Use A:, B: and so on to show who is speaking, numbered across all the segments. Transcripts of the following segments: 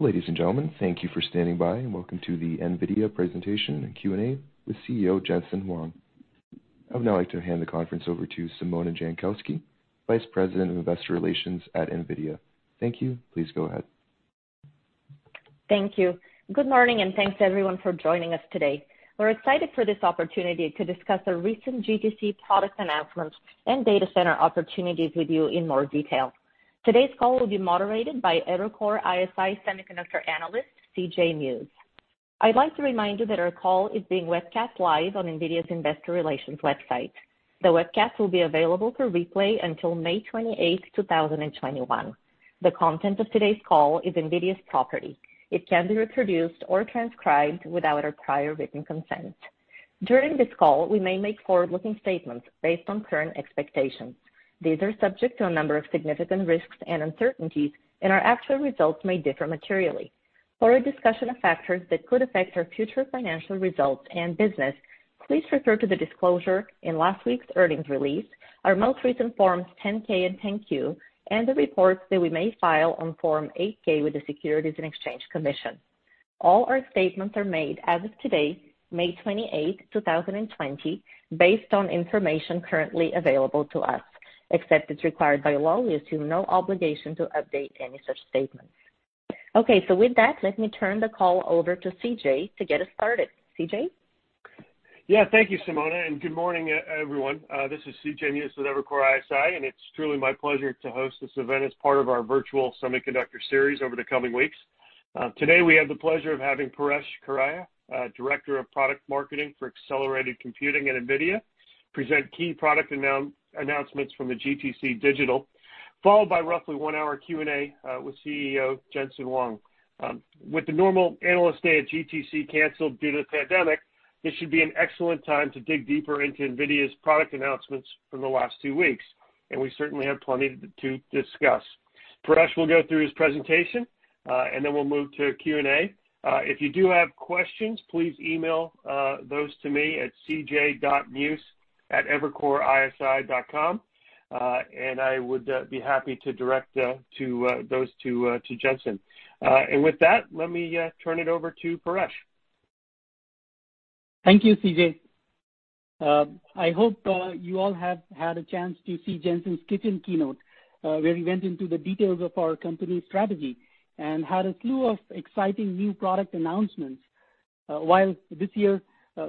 A: Ladies and gentlemen, thank you for standing by, and welcome to the NVIDIA presentation and Q&A with CEO Jensen Huang. I would now like to hand the conference over to Simona Jankowski, Vice President of Investor Relations at NVIDIA. Thank you. Please go ahead.
B: Thank you. Good morning, and thanks, everyone, for joining us today. We're excited for this opportunity to discuss the recent GTC product announcements and data center opportunities with you in more detail. Today's call will be moderated by Evercore ISI Semiconductor analyst, CJ Muse. I'd like to remind you that our call is being webcast live on NVIDIA's investor relations website. The webcast will be available for replay until May 28th, 2021. The content of today's call is NVIDIA's property. It can't be reproduced or transcribed without our prior written consent. During this call, we may make forward-looking statements based on current expectations. These are subject to a number of significant risks and uncertainties, our actual results may differ materially. For a discussion of factors that could affect our future financial results and business, please refer to the disclosure in last week's earnings release, our most recent Forms 10-K and 10-Q, and the reports that we may file on Form 8-K with the Securities and Exchange Commission. All our statements are made as of today, May 28th, 2020, based on information currently available to us. Except as required by law, we assume no obligation to update any such statements. Okay, with that, let me turn the call over to CJ to get us started. CJ?
C: Yeah. Thank you, Simona. Good morning, everyone. This is CJ Muse with Evercore ISI. It's truly my pleasure to host this event as part of our virtual semiconductor series over the coming weeks. Today, we have the pleasure of having Paresh Kharya, Director of Product Marketing for Accelerated Computing at NVIDIA, present key product announcements from the GTC digital, followed by roughly one-hour Q&A with CEO Jensen Huang. With the normal analyst day at GTC canceled due to the pandemic, this should be an excellent time to dig deeper into NVIDIA's product announcements from the last two weeks. We certainly have plenty to discuss. Paresh will go through his presentation. Then we'll move to Q&A. If you do have questions, please email those to me at cj.muse@evercoreisi.com. I would be happy to direct those to Jensen. With that, let me turn it over to Paresh.
D: Thank you, CJ I hope you all have had a chance to see Jensen's kitchen keynote, where he went into the details of our company strategy and had a slew of exciting new product announcements. While this year,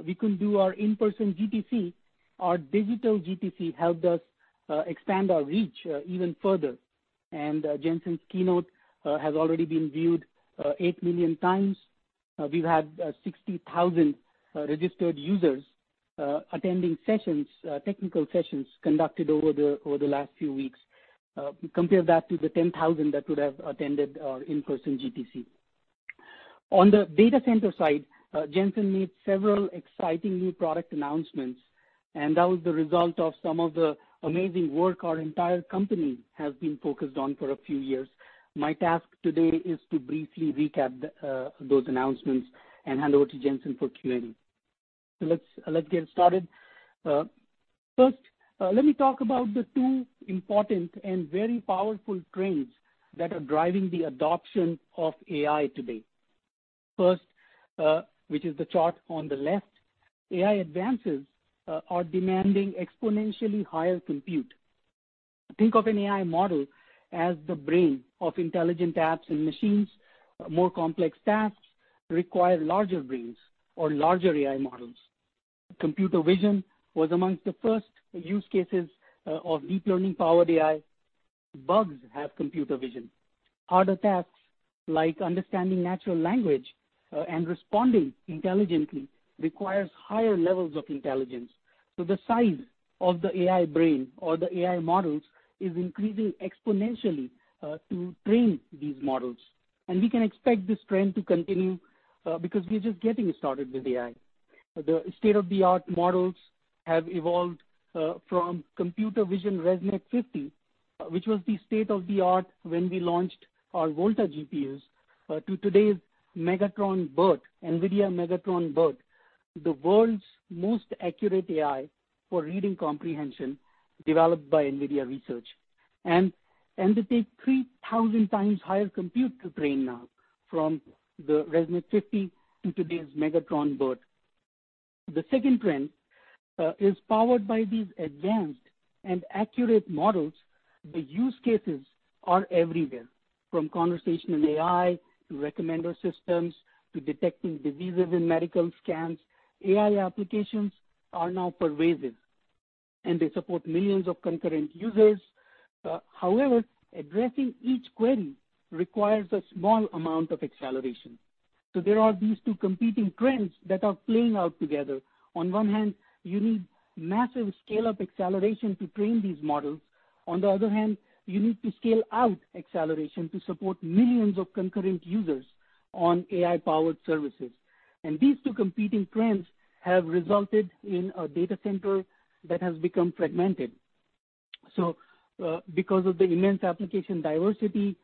D: we couldn't do our in-person GTC, our digital GTC helped us expand our reach even further. Jensen's keynote has already been viewed 8 million times. We've had 60,000 registered users attending technical sessions conducted over the last few weeks. Compare that to the 10,000 that would have attended our in-person GTC. On the data center side, Jensen made several exciting new product announcements, and that was the result of some of the amazing work our entire company has been focused on for a few years. My task today is to briefly recap those announcements and hand over to Jensen for Q&A. Let's get started. First, let me talk about the two important and very powerful trends that are driving the adoption of AI today. First, which is the chart on the left, AI advances are demanding exponentially higher compute. Think of an AI model as the brain of intelligent apps and machines. More complex tasks require larger brains or larger AI models. Computer vision was amongst the first use cases of deep learning-powered AI. Bots have computer vision. Harder tasks like understanding natural language, and responding intelligently requires higher levels of intelligence. The size of the AI brain or the AI models is increasing exponentially to train these models. We can expect this trend to continue because we're just getting started with AI. The state-of-the-art models have evolved from computer vision ResNet-50, which was the state of the art when we launched our Volta GPUs, to today's NVIDIA Megatron-BERT, the world's most accurate AI for reading comprehension, developed by NVIDIA Research. They take 3,000 times higher compute to train now from the ResNet-50 to today's Megatron-BERT. The second trend is powered by these advanced and accurate models. The use cases are everywhere, from conversational AI to recommender systems to detecting diseases in medical scans. AI applications are now pervasive, and they support millions of concurrent users. However, addressing each query requires a small amount of acceleration. There are these two competing trends that are playing out together. On one hand, you need massive scale-up acceleration to train these models. On the other hand, you need to scale out acceleration to support millions of concurrent users on AI-powered services. These two competing trends have resulted in a data center that has become fragmented. Because of the immense application diversity,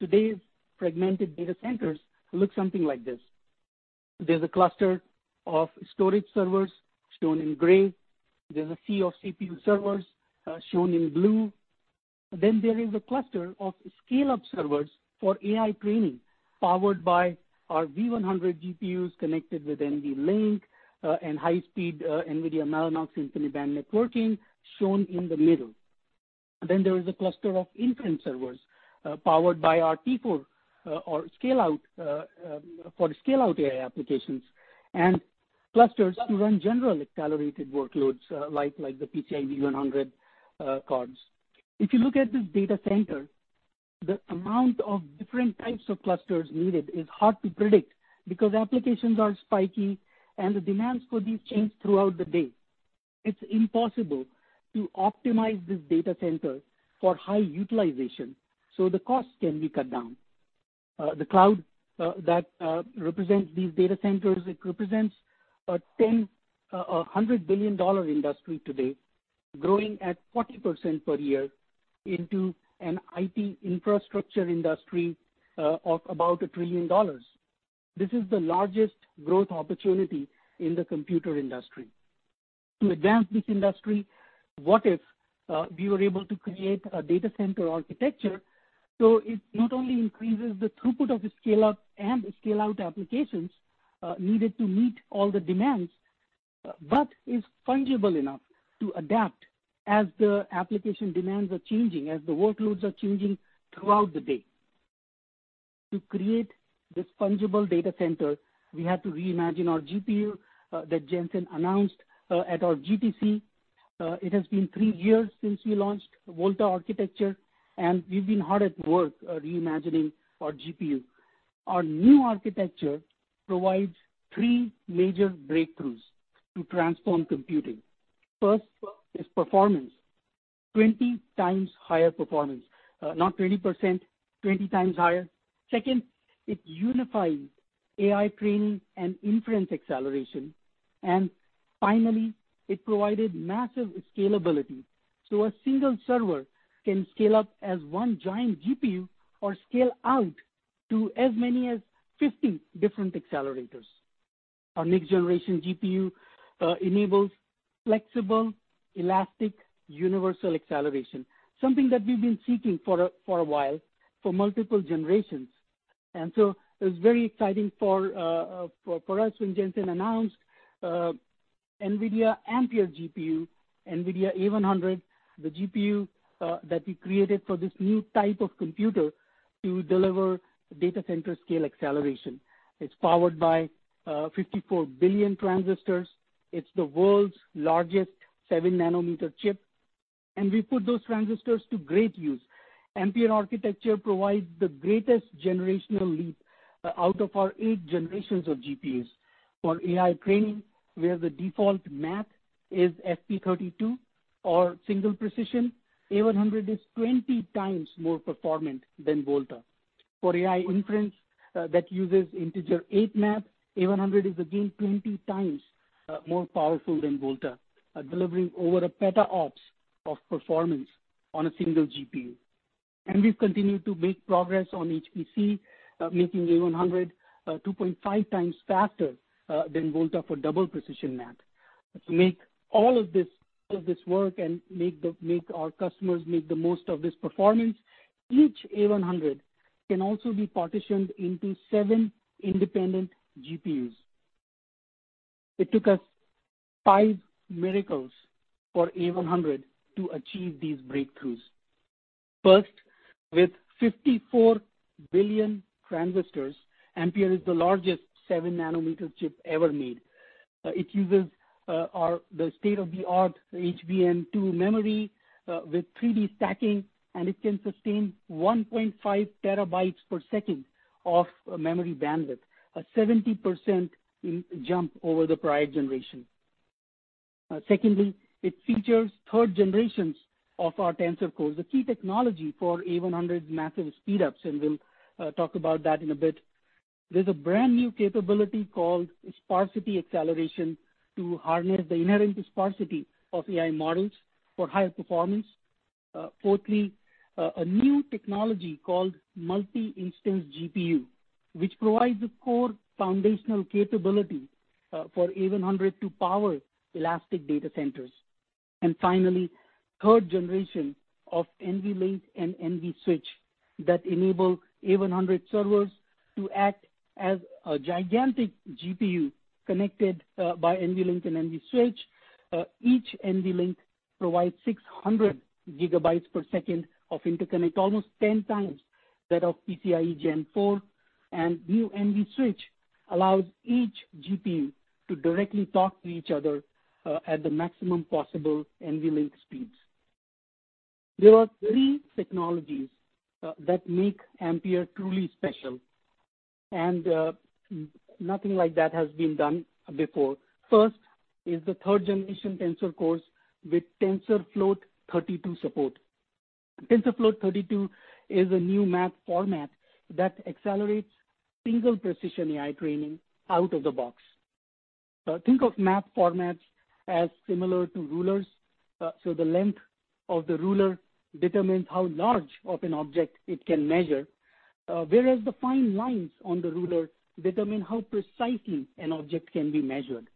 D: today's fragmented data centers look something like this. There's a cluster of storage servers shown in gray. There's a sea of CPU servers shown in blue. There is a cluster of scale-up servers for AI training powered by our V100 GPUs connected with NVLink, and high speed NVIDIA Mellanox InfiniBand networking shown in the middle. There is a cluster of inference servers powered by our T4, for scale-out AI applications, and clusters to run general accelerated workloads like the PCIe V100 cards. If you look at this data center, the amount of different types of clusters needed is hard to predict because applications are spiky and the demands for these change throughout the day. It's impossible to optimize this data center for high utilization so the cost can be cut down. The cloud that represents these data centers, it represents a $100 billion industry today, growing at 40% per year into an IT infrastructure industry of about a trillion dollars. This is the largest growth opportunity in the computer industry. To advance this industry, what if we were able to create a data center architecture so it not only increases the throughput of the scale-up and scale-out applications needed to meet all the demands, but is fungible enough to adapt as the application demands are changing, as the workloads are changing throughout the day? To create this fungible data center, we had to reimagine our GPU that Jensen announced at our GTC. It has been three years since we launched Volta architecture, and we've been hard at work reimagining our GPU. Our new architecture provides three major breakthroughs to transform computing. First is performance, 20 times higher performance. Not 20%, 20 times higher. Second, it unifies AI training and inference acceleration. Finally, it provided massive scalability, so a single server can scale up as one giant GPU or scale out to as many as 50 different accelerators. Our next generation GPU enables flexible, elastic, universal acceleration, something that we've been seeking for a while, for multiple generations. It was very exciting for us when Jensen announced NVIDIA Ampere GPU, NVIDIA A100, the GPU that we created for this new type of computer to deliver data center scale acceleration. It's powered by 54 billion transistors. It's the world's largest 7nm chip. We put those transistors to great use. Ampere architecture provides the greatest generational leap out of our eight generations of GPUs. For AI training, where the default math is FP32 or single precision, A100 is 20 times more performant than Volta. For AI inference that uses integer eight math, A100 is again 20 times more powerful than Volta, delivering over a petaflops of performance on a single GPU. We've continued to make progress on HPC, making A100 2.5 times faster than Volta for double-precision math. To make all of this work and make our customers make the most of this performance, each A100 can also be partitioned into seven independent GPUs. It took us five miracles for A100 to achieve these breakthroughs. With 54 billion transistors, Ampere is the largest seven nanometer chip ever made. It uses the state-of-the-art HBM2 memory with 3D stacking. It can sustain 1.5TB per second of memory bandwidth, a 70% jump over the prior generation. It features third generations of our Tensor Cores, a key technology for A100's massive speedups. We'll talk about that in a bit. There's a brand-new capability called sparsity acceleration to harness the inherent sparsity of AI models for higher performance. A new technology called Multi-Instance GPU, which provides the core foundational capability for A100 to power elastic data centers. Finally, third generation of NVLink and NVSwitch that enable A100 servers to act as a gigantic GPU connected by NVLink and NVSwitch. Each NVLink provides 600GB per second of interconnect, almost 10 times that of PCIe Gen 4, and new NVSwitch allows each GPU to directly talk to each other at the maximum possible NVLink speeds. There are three technologies that make Ampere truly special, and nothing like that has been done before. First is the third generation Tensor Cores with TensorFloat-32 support. TensorFloat-32 is a new math format that accelerates single precision AI training out of the box. Think of math formats as similar to rulers. The length of the ruler determines how large of an object it can measure, whereas the fine lines on the ruler determine how precisely an object can be measured.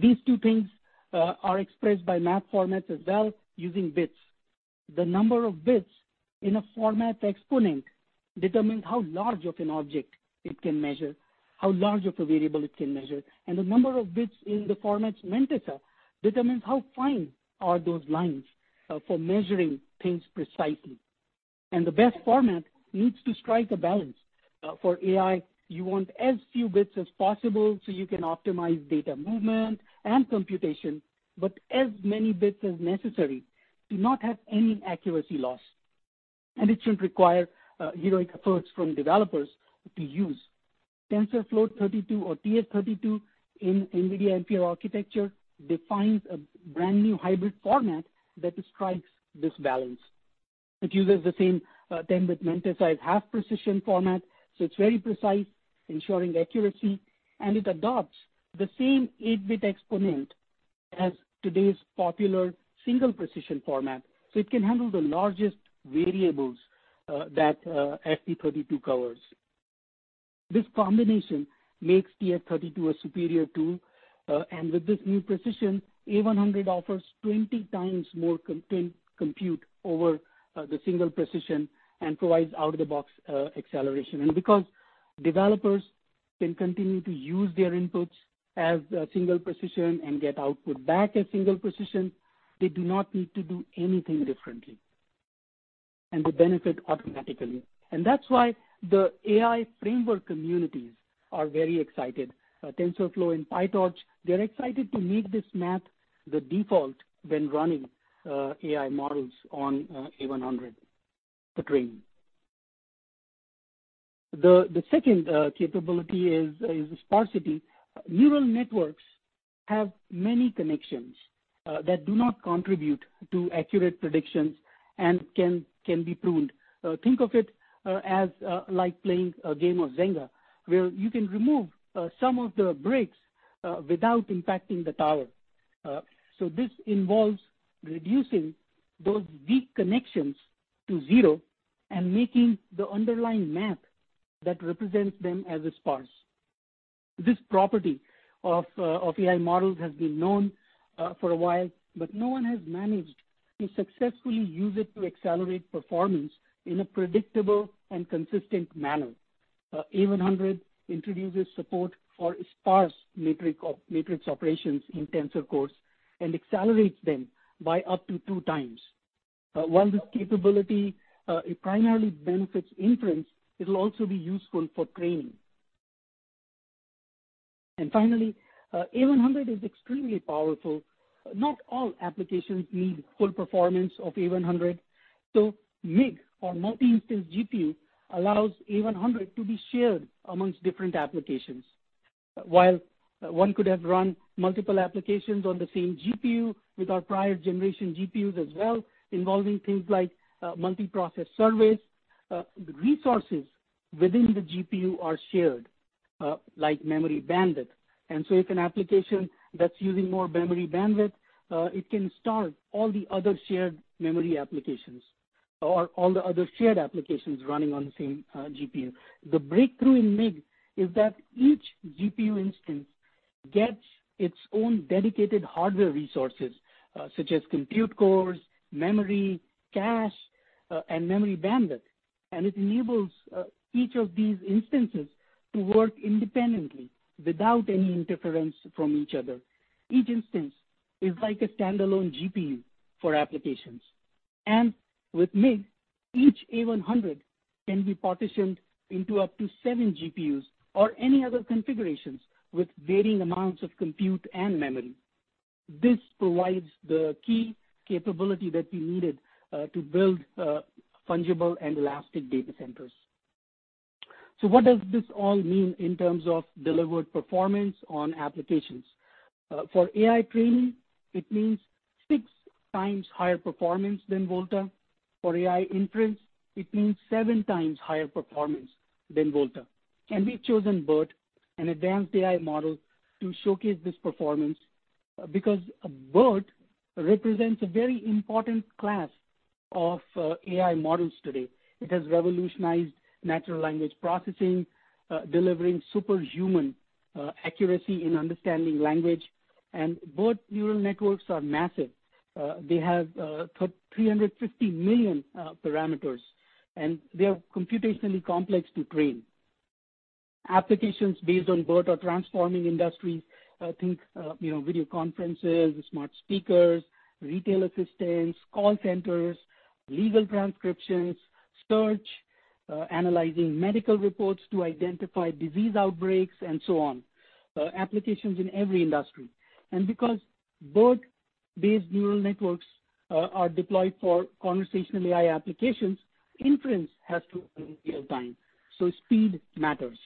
D: These two things are expressed by math formats as well, using bits. The number of bits in a format exponent determines how large of an object it can measure, how large of a variable it can measure. The number of bits in the format's mantissa determines how fine are those lines for measuring things precisely. The best format needs to strike a balance. For AI, you want as few bits as possible so you can optimize data movement and computation, but as many bits as necessary to not have any accuracy loss. It shouldn't require heroic efforts from developers to use. TensorFloat-32 or TF32 in NVIDIA Ampere architecture defines a brand new hybrid format that strikes this balance. It uses the same 10-bit mantissa as half-precision format, so it's very precise, ensuring accuracy, and it adopts the same 8-bit exponent as today's popular single-precision format. It can handle the largest variables that FP32 covers. This combination makes TF32 a superior tool. With this new precision, A100 offers 20 times more content compute over the single precision and provides out-of-the-box acceleration. Because developers can continue to use their inputs as single precision and get output back as single precision, they do not need to do anything differently, and they benefit automatically. That's why the AI framework communities are very excited. TensorFlow and PyTorch, they're excited to make this math the default when running AI models on A100 for training. The second capability is sparsity. Neural networks have many connections that do not contribute to accurate predictions and can be pruned. Think of it as like playing a game of Jenga, where you can remove some of the bricks without impacting the tower. This involves reducing those weak connections to zero and making the underlying math that represents them as sparse. This property of AI models has been known for a while. No one has managed to successfully use it to accelerate performance in a predictable and consistent manner. A100 introduces support for sparse matrix operations in tensor cores and accelerates them by up to two times. While this capability primarily benefits inference, it'll also be useful for training. Finally, A100 is extremely powerful. Not all applications need full performance of A100. MIG, or Multi-Instance GPU, allows A100 to be shared amongst different applications. While one could have run multiple applications on the same GPU with our prior generation GPUs as well, involving things like multi-process services, the resources within the GPU are shared, like memory bandwidth. If an application that's using more memory bandwidth, it can starve all the other shared memory applications or all the other shared applications running on the same GPU. The breakthrough in MIG is that each GPU instance gets its own dedicated hardware resources, such as compute cores, memory, cache, and memory bandwidth. It enables each of these instances to work independently without any interference from each other. Each instance is like a standalone GPU for applications. With MIG, each A100 can be partitioned into up to 7 GPUs or any other configurations with varying amounts of compute and memory. This provides the key capability that we needed to build fungible and elastic data centers. What does this all mean in terms of delivered performance on applications? For AI training, it means six times higher performance than Volta. For AI inference, it means seven times higher performance than Volta. We've chosen BERT, an advanced AI model, to showcase this performance, because BERT represents a very important class of AI models today. It has revolutionized natural language processing, delivering superhuman accuracy in understanding language. Both neural networks are massive. They have 350 million parameters. They are computationally complex to train. Applications based on BERT are transforming industries. Think video conferences, smart speakers, retail assistants, call centers, legal transcriptions, search, analyzing medical reports to identify disease outbreaks, and so on. Applications in every industry. Because BERT-based neural networks are deployed for conversational AI applications, inference has to be real-time, so speed matters.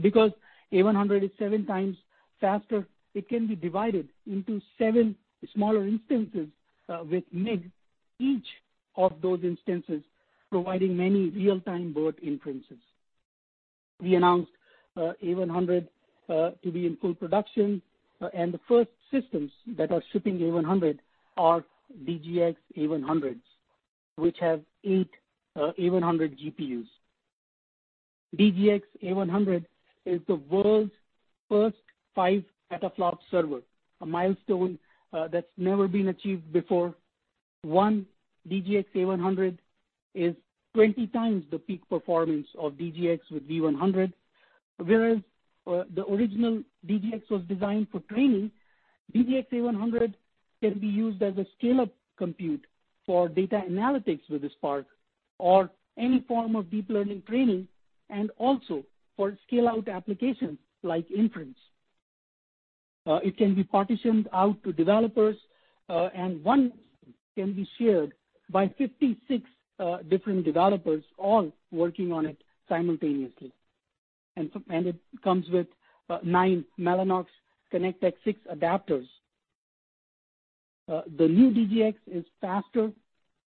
D: Because A100 is seven times faster, it can be divided into seven smaller instances with MIG. Each of those instances providing many real-time BERT inferences. We announced A100 to be in full production. The first systems that are shipping A100 are DGX A100s, which have eight A100 GPUs. DGX A100 is the world's first five petaflop server, a milestone that's never been achieved before. One DGX A100 is 20 times the peak performance of DGX with V100. The original DGX was designed for training, DGX A100 can be used as a scale-up compute for data analytics with Spark or any form of deep learning training, and also for scale-out applications like inference. It can be partitioned out to developers, one can be shared by 56 different developers all working on it simultaneously. It comes with nine Mellanox ConnectX-6 adapters. The new DGX is faster,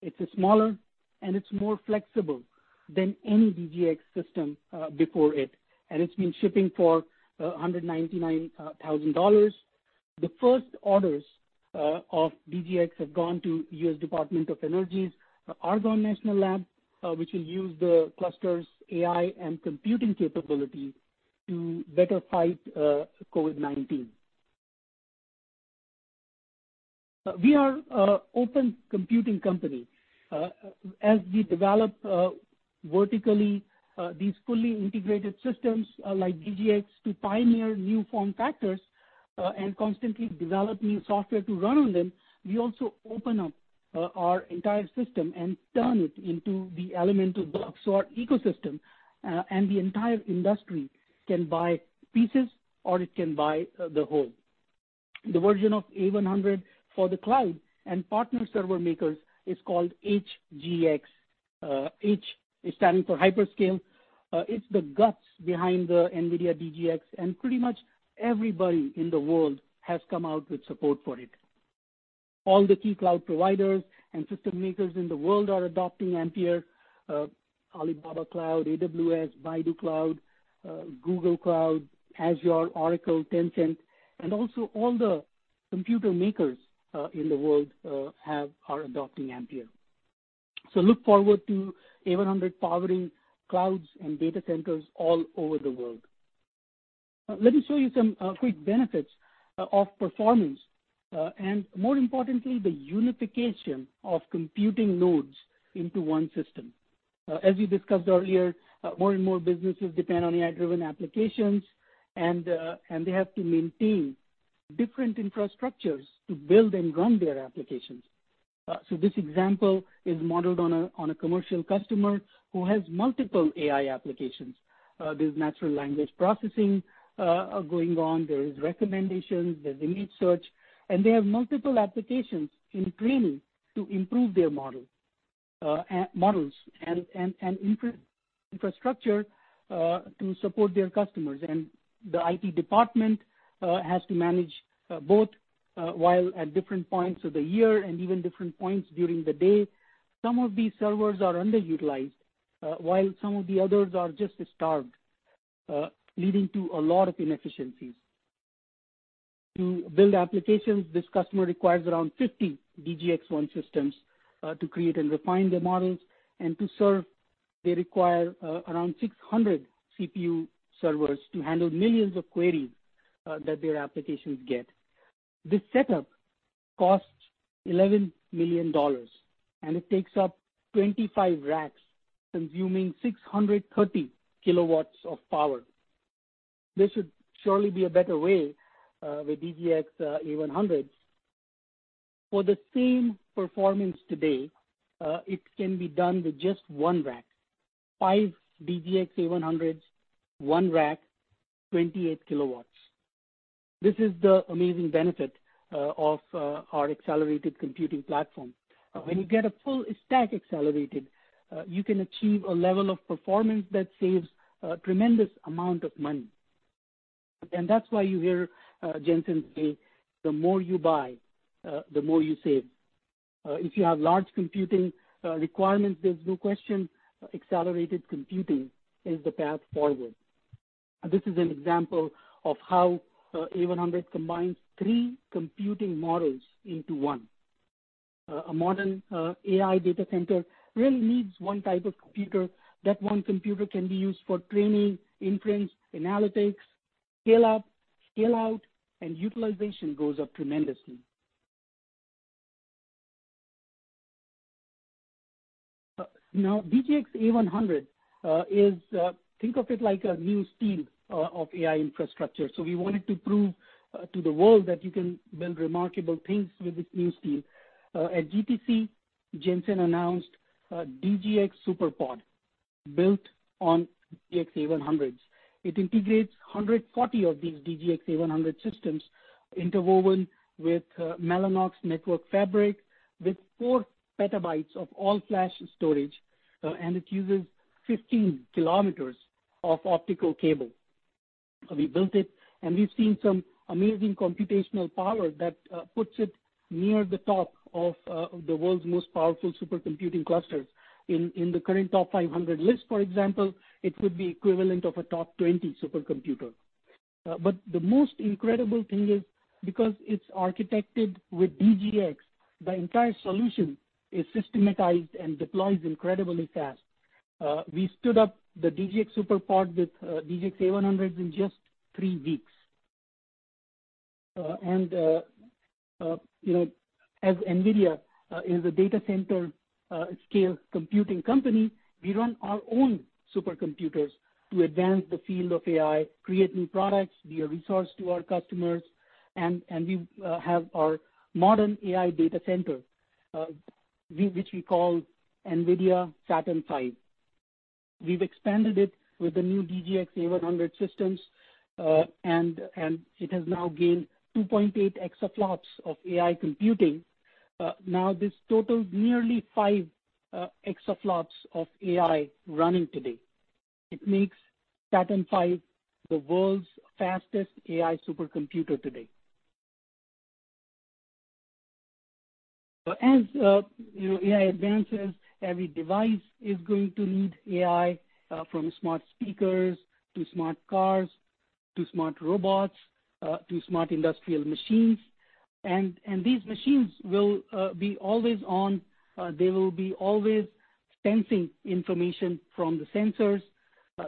D: it's smaller, it's more flexible than any DGX system before it. It's been shipping for $199,000. The first orders of DGX have gone to US Department of Energy's Argonne National Laboratory which will use the cluster's AI and computing capability to better fight COVID-19. We are an open computing company. As we develop vertically these fully integrated systems, like DGX, to pioneer new form factors and constantly develop new software to run on them, we also open up our entire system and turn it into the elemental blocks or ecosystem, the entire industry can buy pieces, it can buy the whole. The version of A100 for the cloud and partner server makers is called HGX. H is standing for hyperscale. It's the guts behind the NVIDIA DGX, pretty much everybody in the world has come out with support for it. All the key cloud providers and system makers in the world are adopting Ampere. Alibaba Cloud, AWS, Baidu Cloud, Google Cloud, Azure, Oracle, Tencent, also all the computer makers in the world are adopting Ampere. Look forward to A100 powering clouds and data centers all over the world. Let me show you some quick benefits of performance, and more importantly, the unification of computing nodes into one system. As we discussed earlier, more and more businesses depend on AI-driven applications, and they have to maintain different infrastructures to build and run their applications. This example is modeled on a commercial customer who has multiple AI applications. There's natural language processing going on, there is recommendations, there's image search, and they have multiple applications in training to improve their models and infrastructure to support their customers. The IT department has to manage both while at different points of the year and even different points during the day. Some of these servers are underutilized, while some of the others are just starved, leading to a lot of inefficiencies. To build applications, this customer requires around 50 DGX-1 systems to create and refine their models, and to serve, they require around 600 CPU servers to handle millions of queries that their applications get. This setup costs $11 million, and it takes up 25 racks, consuming 630 kilowatts of power. There should surely be a better way with DGX A100. For the same performance today, it can be done with just one rack. Five DGX A100s, one rack, 28 kilowatts. This is the amazing benefit of our accelerated computing platform. When you get a full stack accelerated, you can achieve a level of performance that saves a tremendous amount of money. That's why you hear Jensen say, "The more you buy, the more you save." If you have large computing requirements, there's no question, accelerated computing is the path forward. This is an example of how A100 combines three computing models into one. A modern AI data center really needs one type of computer. That one computer can be used for training, inference, analytics, scale-up, scale-out, and utilization goes up tremendously. DGX A100, think of it like a new steel of AI infrastructure. We wanted to prove to the world that you can build remarkable things with this new steel. At GTC, Jensen announced DGX SuperPOD, built on DGX A100s. It integrates 140 of these DGX A100 systems interwoven with Mellanox network fabric with four petabytes of all-flash storage, and it uses 15 km of optical cable. We built it, and we've seen some amazing computational power that puts it near the top of the world's most powerful supercomputing clusters. In the current TOP500 list, for example, it would be equivalent of a top 20 supercomputer. The most incredible thing is, because it's architected with DGX, the entire solution is systematized and deploys incredibly fast. We stood up the DGX SuperPOD with DGX A100s in just three weeks. As NVIDIA is a data center scale computing company, we run our own supercomputers to advance the field of AI, create new products, be a resource to our customers, and we have our modern AI data center, which we call NVIDIA Saturn V. We've expanded it with the new DGX A100 systems, and it has now gained 2.8 exaflops of AI computing. Now, this totals nearly five exaflops of AI running today. It makes Saturn V the world's fastest AI supercomputer today. As AI advances, every device is going to need AI, from smart speakers to smart cars, to smart robots, to smart industrial machines. These machines will be always on. They will be always sensing information from the sensors.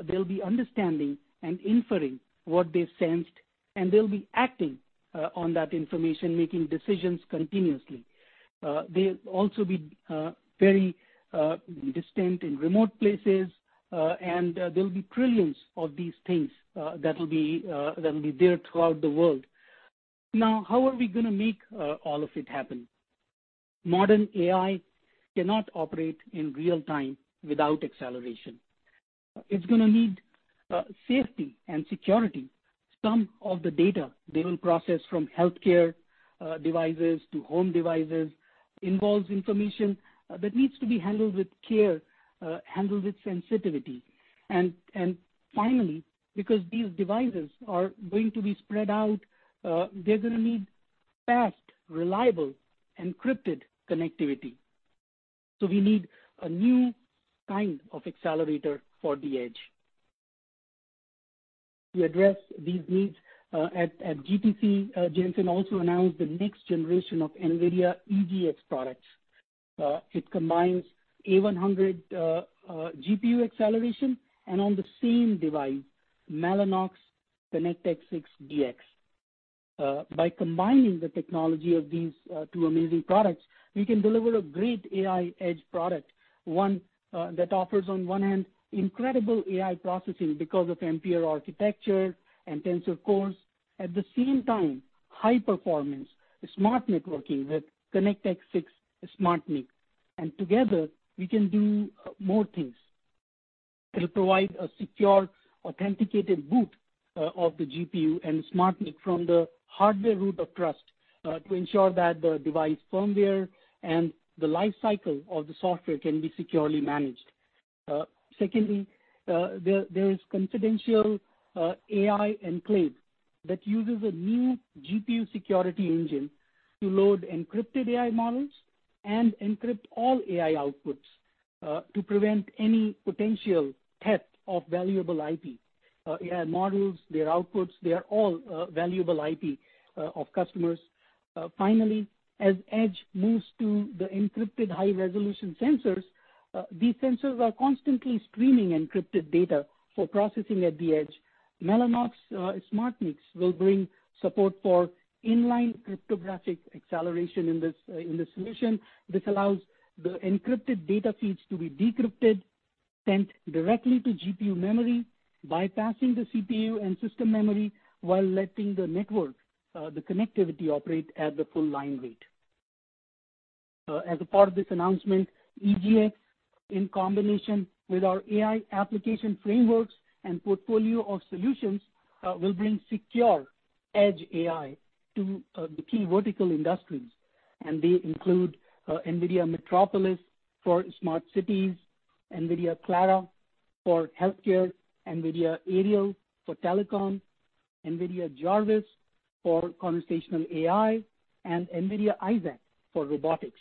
D: They'll be understanding and inferring what they've sensed, and they'll be acting on that information, making decisions continuously. They'll also be very distant in remote places, and there'll be trillions of these things that will be there throughout the world. How are we going to make all of it happen? Modern AI cannot operate in real-time without acceleration. It's going to need safety and security. Some of the data they will process from healthcare devices to home devices involves information that needs to be handled with care, handled with sensitivity. Finally, because these devices are going to be spread out, they're going to need fast, reliable, encrypted connectivity. We need a new kind of accelerator for the edge. To address these needs at GTC, Jensen also announced the next generation of NVIDIA EGX products. It combines A100 GPU acceleration and on the same device, Mellanox ConnectX-6 Dx. By combining the technology of these two amazing products, we can deliver a great AI edge product, one that offers on one end incredible AI processing because of Ampere architecture and Tensor Cores. At the same time, high performance, smart networking with ConnectX-6 SmartNIC. Together we can do more things. It'll provide a secure authenticated boot of the GPU and SmartNIC from the hardware root of trust to ensure that the device firmware and the life cycle of the software can be securely managed. Secondly, there is confidential AI enclave that uses a new GPU security engine to load encrypted AI models and encrypt all AI outputs to prevent any potential theft of valuable IP. AI models, their outputs, they are all valuable IP of customers. As edge moves to the encrypted high-resolution sensors, these sensors are constantly streaming encrypted data for processing at the edge. Mellanox SmartNICs will bring support for inline cryptographic acceleration in the solution. This allows the encrypted data feeds to be decrypted, sent directly to GPU memory, bypassing the CPU and system memory while letting the network, the connectivity operate at the full line rate. A part of this announcement, EGX, in combination with our AI application frameworks and portfolio of solutions will bring secure edge AI to the key vertical industries, and they include NVIDIA Metropolis for smart cities, NVIDIA Clara for healthcare, NVIDIA Aerial for telecom, NVIDIA Jarvis for conversational AI, and NVIDIA Isaac for robotics.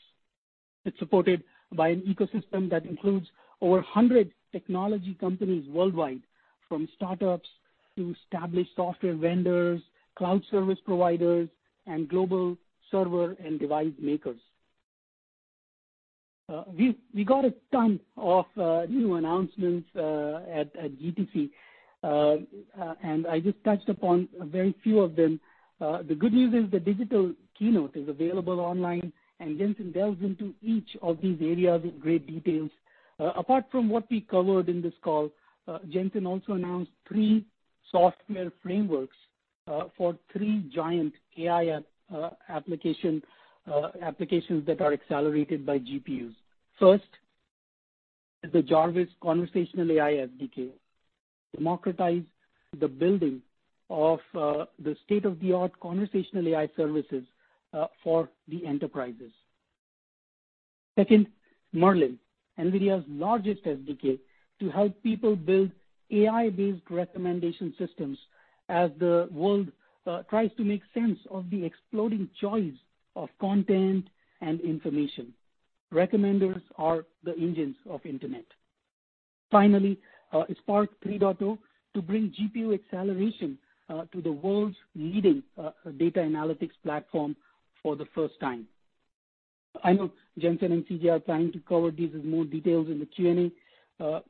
D: It's supported by an ecosystem that includes over 100 technology companies worldwide, from startups to established software vendors, cloud service providers, and global server and device makers. We got a ton of new announcements at GTC. I just touched upon a very few of them. The good news is the digital keynote is available online, and Jensen delves into each of these areas in great details. Apart from what we covered in this call, Jensen also announced three software frameworks for three giant AI applications that are accelerated by GPUs. First, the Jarvis Conversational AI SDK democratize the building of the state-of-the-art conversational AI services for the enterprises. Second, Merlin, NVIDIA's largest SDK to help people build AI-based recommendation systems as the world tries to make sense of the exploding choice of content and information. Recommenders are the engines of Internet. Finally, Spark 3.0 to bring GPU acceleration to the world's leading data analytics platform for the first time. I know Jensen and CJ are planning to cover this with more details in the Q&A,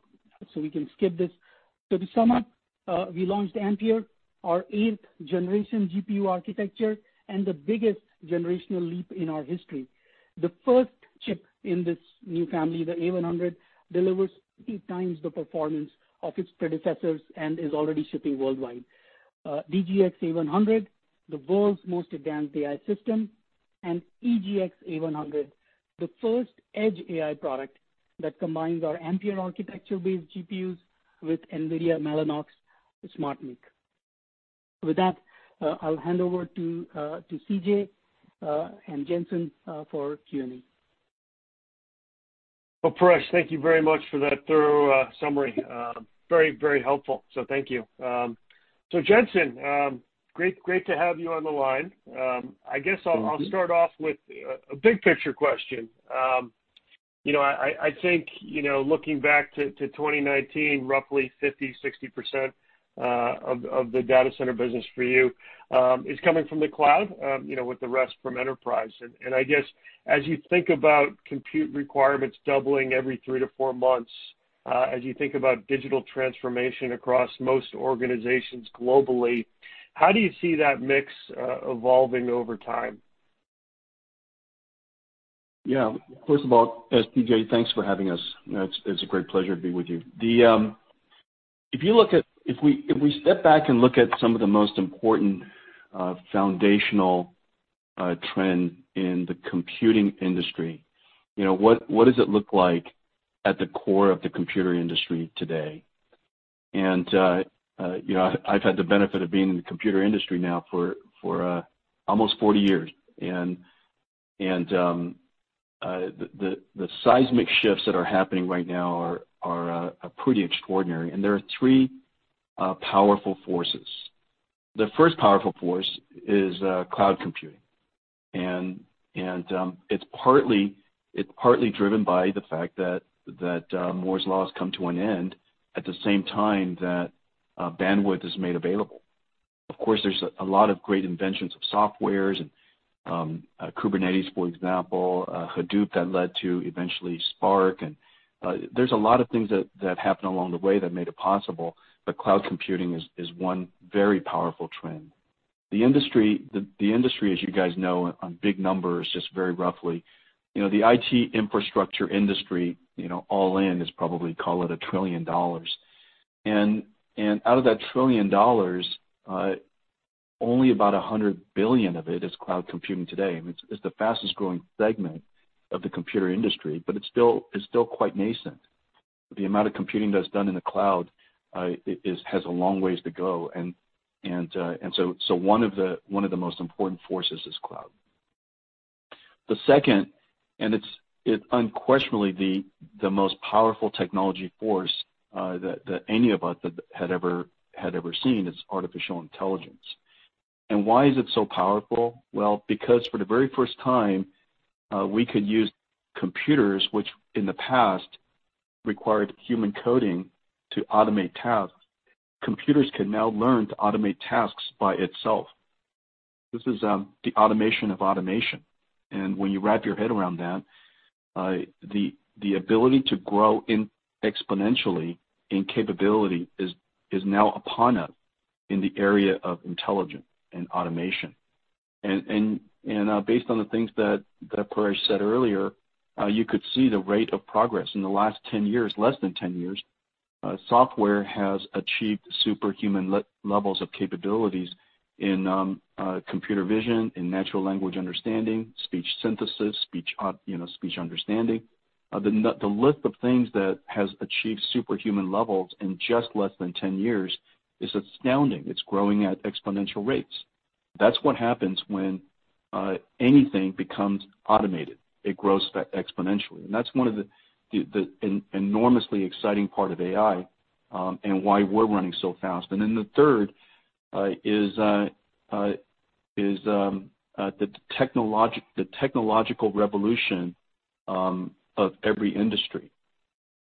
D: we can skip this. To sum up, we launched Ampere, our eighth-generation GPU architecture, and the biggest generational leap in our history. The first chip in this new family, the A100, delivers eight times the performance of its predecessors and is already shipping worldwide. DGX A100, the world's most advanced AI system, and EGX A100, the first edge AI product that combines our Ampere architecture-based GPUs with NVIDIA Mellanox SmartNIC. With that, I'll hand over to CJ and Jensen for Q&A.
C: Well, Paresh, thank you very much for that thorough summary. Very helpful. Thank you. Jensen, great to have you on the line. I guess I'll start off with a big-picture question. I think, looking back to 2019, roughly 50%, 60% of the data center business for you is coming from the cloud, with the rest from enterprise. I guess as you think about compute requirements doubling every three to four months, as you think about digital transformation across most organizations globally, how do you see that mix evolving over time?
E: First of all, CJ, thanks for having us. It is a great pleasure to be with you. If we step back and look at some of the most important foundational trend in the computing industry, what does it look like at the core of the computer industry today? I have had the benefit of being in the computer industry now for almost 40 years, the seismic shifts that are happening right now are pretty extraordinary, there are three powerful forces. The first powerful force is cloud computing. It is partly driven by the fact that Moore's law come to an end at the same time that bandwidth is made available. Of course, there is a lot of great inventions of softwares and Kubernetes, for example, Hadoop, that led to eventually Spark. There's a lot of things that happened along the way that made it possible, but cloud computing is one very powerful trend. The industry, as you guys know, on big numbers, just very roughly, the IT infrastructure industry all in is probably, call it, $1 trillion. Out of that $1 trillion, only about $100 billion of it is cloud computing today. I mean, it's the fastest-growing segment of the computer industry, but it's still quite nascent. The amount of computing that's done in the cloud has a long ways to go. One of the most important forces is cloud. The second, and it's unquestionably the most powerful technology force that any of us had ever seen, is artificial intelligence. Why is it so powerful? Well, because for the very first time, we could use computers, which in the past required human coding to automate tasks. Computers can now learn to automate tasks by itself. This is the automation of automation. When you wrap your head around that, the ability to grow exponentially in capability is now upon us in the area of intelligence and automation. Based on the things that Paresh said earlier, you could see the rate of progress in the last 10 years, less than 10 years, software has achieved superhuman levels of capabilities in computer vision, in natural language understanding, speech synthesis, speech understanding. The list of things that has achieved superhuman levels in just less than 10 years is astounding. It's growing at exponential rates. That's what happens when anything becomes automated. It grows exponentially. That's one of the enormously exciting part of AI, and why we're running so fast. The third is the technological revolution of every industry.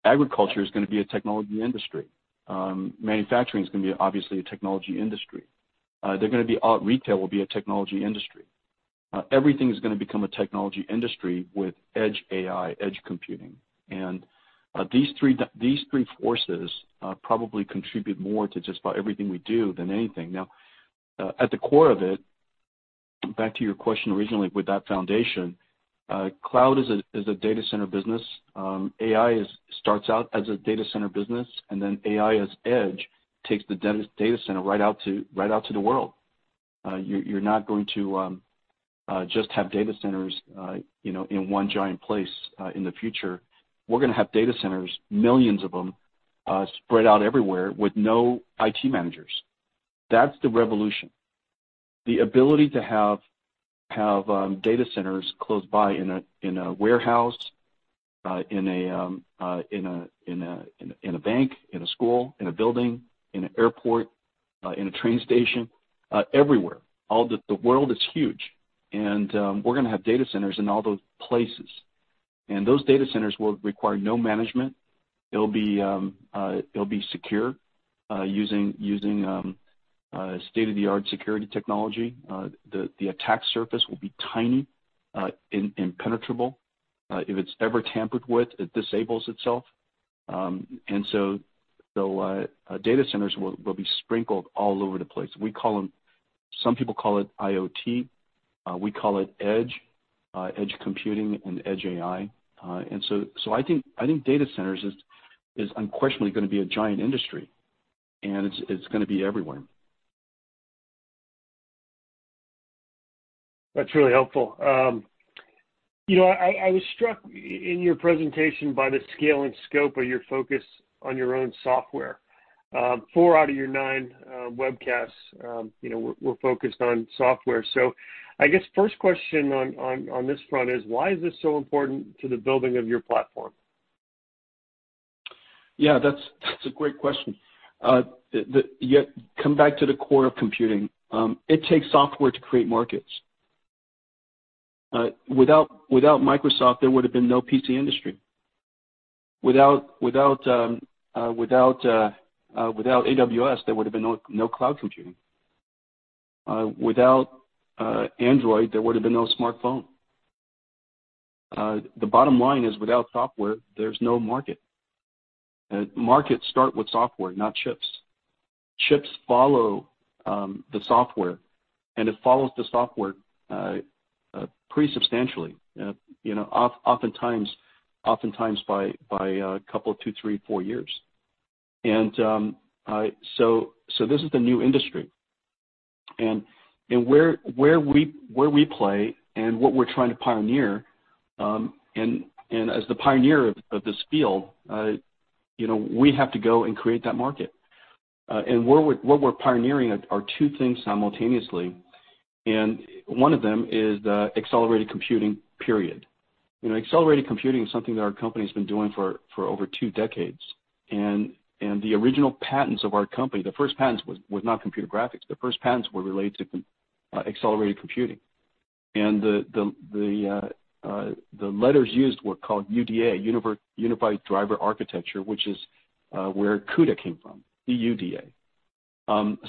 E: Agriculture is going to be a technology industry. Manufacturing is going to be, obviously, a technology industry. Retail will be a technology industry. Everything is going to become a technology industry with edge AI, edge computing. These three forces probably contribute more to just about everything we do than anything. At the core of it, back to your question originally with that foundation, cloud is a data center business. AI starts out as a data center business, and then AI as edge takes the data center right out to the world. You're not going to just have data centers in one giant place in the future. We're going to have data centers, millions of them, spread out everywhere with no IT managers. That's the revolution. The ability to have data centers close by in a warehouse, in a bank, in a school, in a building, in an airport, in a train station, everywhere. The world is huge, we're going to have data centers in all those places. Those data centers will require no management. They'll be secure using state-of-the-art security technology. The attack surface will be tiny, impenetrable. If it's ever tampered with, it disables itself. Data centers will be sprinkled all over the place. Some people call it IoT. We call it edge computing and edge AI. I think data centers is unquestionably going to be a giant industry, and it's going to be everywhere.
C: That's really helpful. I was struck in your presentation by the scale and scope of your focus on your own software. Four out of your nine webcasts were focused on software. I guess first question on this front is, why is this so important to the building of your platform?
E: Yeah, that's a great question. Come back to the core of computing. It takes software to create markets. Without Microsoft, there would have been no PC industry. Without AWS, there would have been no cloud computing. Without Android, there would have been no smartphone. The bottom line is, without software, there's no market. Markets start with software, not chips. Chips follow the software, and it follows the software pretty substantially. Oftentimes by a couple, two, three, four years. This is the new industry and where we play and what we're trying to pioneer, and as the pioneer of this field, we have to go and create that market. What we're pioneering are two things simultaneously, and one of them is the accelerated computing, period. Accelerated computing is something that our company's been doing for over two decades. The original patents of our company, the first patents was not computer graphics. The first patents were related to accelerated computing. The letters used were called UDA, Unified Driver Architecture, which is where CUDA came from, C-U-D-A.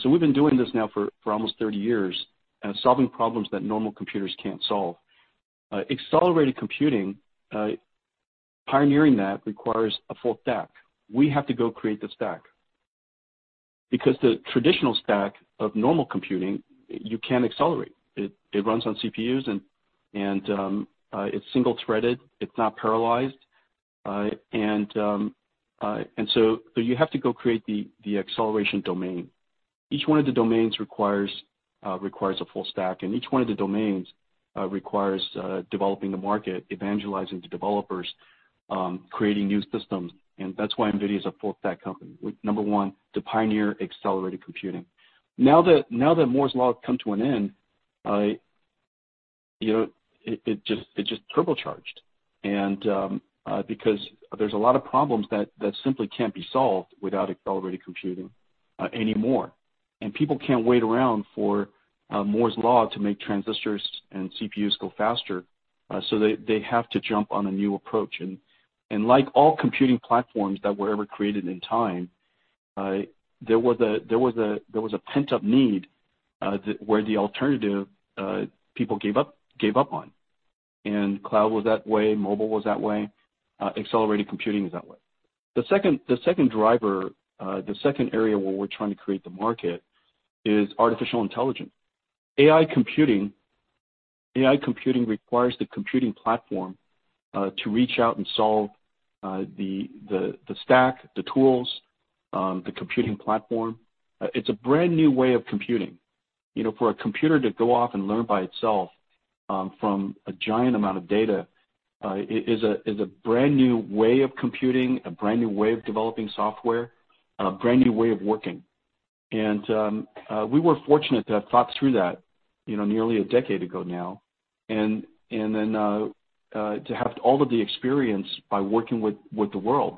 E: We've been doing this now for almost 30 years and solving problems that normal computers can't solve. Accelerated computing, pioneering that requires a full stack. We have to go create the stack. The traditional stack of normal computing, you can't accelerate. It runs on CPUs and it's single-threaded. It's not parallelized. You have to go create the acceleration domain. Each one of the domains requires a full stack, and each one of the domains requires developing the market, evangelizing to developers, creating new systems. That's why NVIDIA is a full stack company. Number one, to pioneer accelerated computing. Now that Moore's law come to an end, it just turbocharged and because there's a lot of problems that simply can't be solved without accelerated computing anymore. People can't wait around for Moore's law to make transistors and CPUs go faster, they have to jump on a new approach. Like all computing platforms that were ever created in time, there was a pent-up need, where the alternative people gave up on. Cloud was that way, mobile was that way, accelerated computing is that way. The second driver, the second area where we're trying to create the market is artificial intelligence. AI computing requires the computing platform to reach out and solve the stack, the tools, the computing platform. It's a brand new way of computing. For a computer to go off and learn by itself from a giant amount of data is a brand new way of computing, a brand new way of developing software, and a brand new way of working. We were fortunate to have thought through that nearly a decade ago now. Then to have all of the experience by working with the world.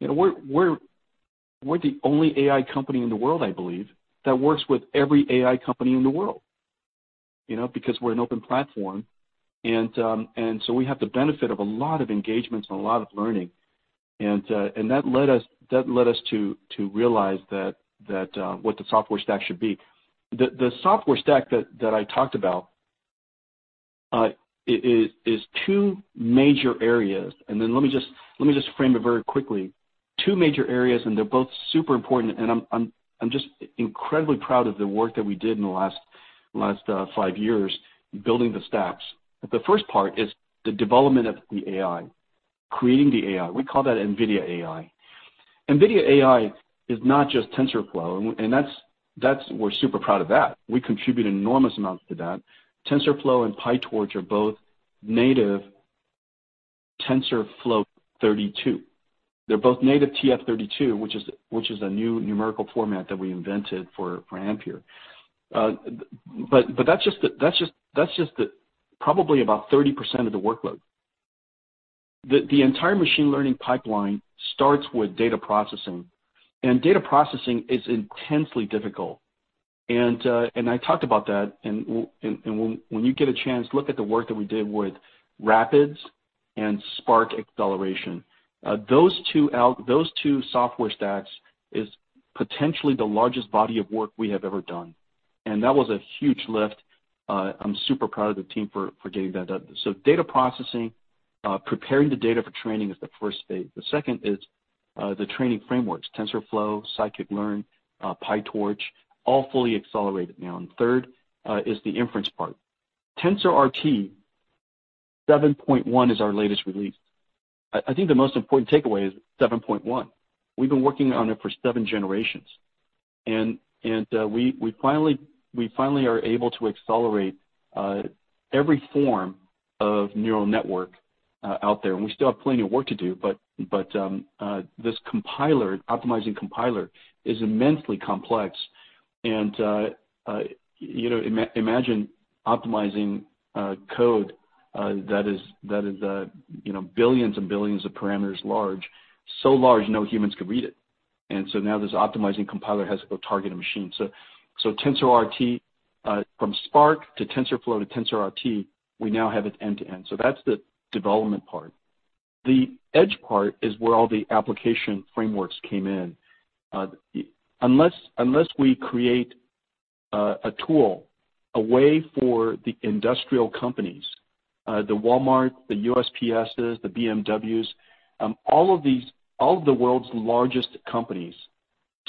E: We're the only AI company in the world, I believe, that works with every AI company in the world because we're an open platform, and so we have the benefit of a lot of engagements and a lot of learning. That led us to realize what the software stack should be. The software stack that I talked about is two major areas, and then let me just frame it very quickly. Two major areas, they're both super important, and I'm just incredibly proud of the work that we did in the last five years building the stacks. The first part is the development of the AI, creating the AI. We call that NVIDIA AI. NVIDIA AI is not just TensorFlow, and we're super proud of that. We contribute enormous amounts to that. TensorFlow and PyTorch are both native TensorFloat-32. They're both native TF32, which is a new numerical format that we invented for Ampere. That's just probably about 30% of the workload. The entire machine learning pipeline starts with data processing, and data processing is intensely difficult. I talked about that, and when you get a chance, look at the work that we did with RAPIDS and Spark acceleration. Those two software stacks is potentially the largest body of work we have ever done, and that was a huge lift. I'm super proud of the team for getting that done. Data processing, preparing the data for training is the first phase. The second is the training frameworks. TensorFlow, scikit-learn, PyTorch, all fully accelerated now. Third is the inference part. TensorRT 7.1 is our latest release. I think the most important takeaway is 7.1. We've been working on it for seven generations, we finally are able to accelerate every form of neural network out there, we still have plenty of work to do, this optimizing compiler is immensely complex. Imagine optimizing code that is billions and billions of parameters large, so large no humans could read it. Now this optimizing compiler has to go target a machine. TensorRT, from Spark to TensorFlow to TensorRT, we now have it end-to-end. That's the development part. The Edge part is where all the application frameworks came in. Unless we create a tool, a way for the industrial companies, the Walmart, the USPS, the BMWs, all of the world's largest companies,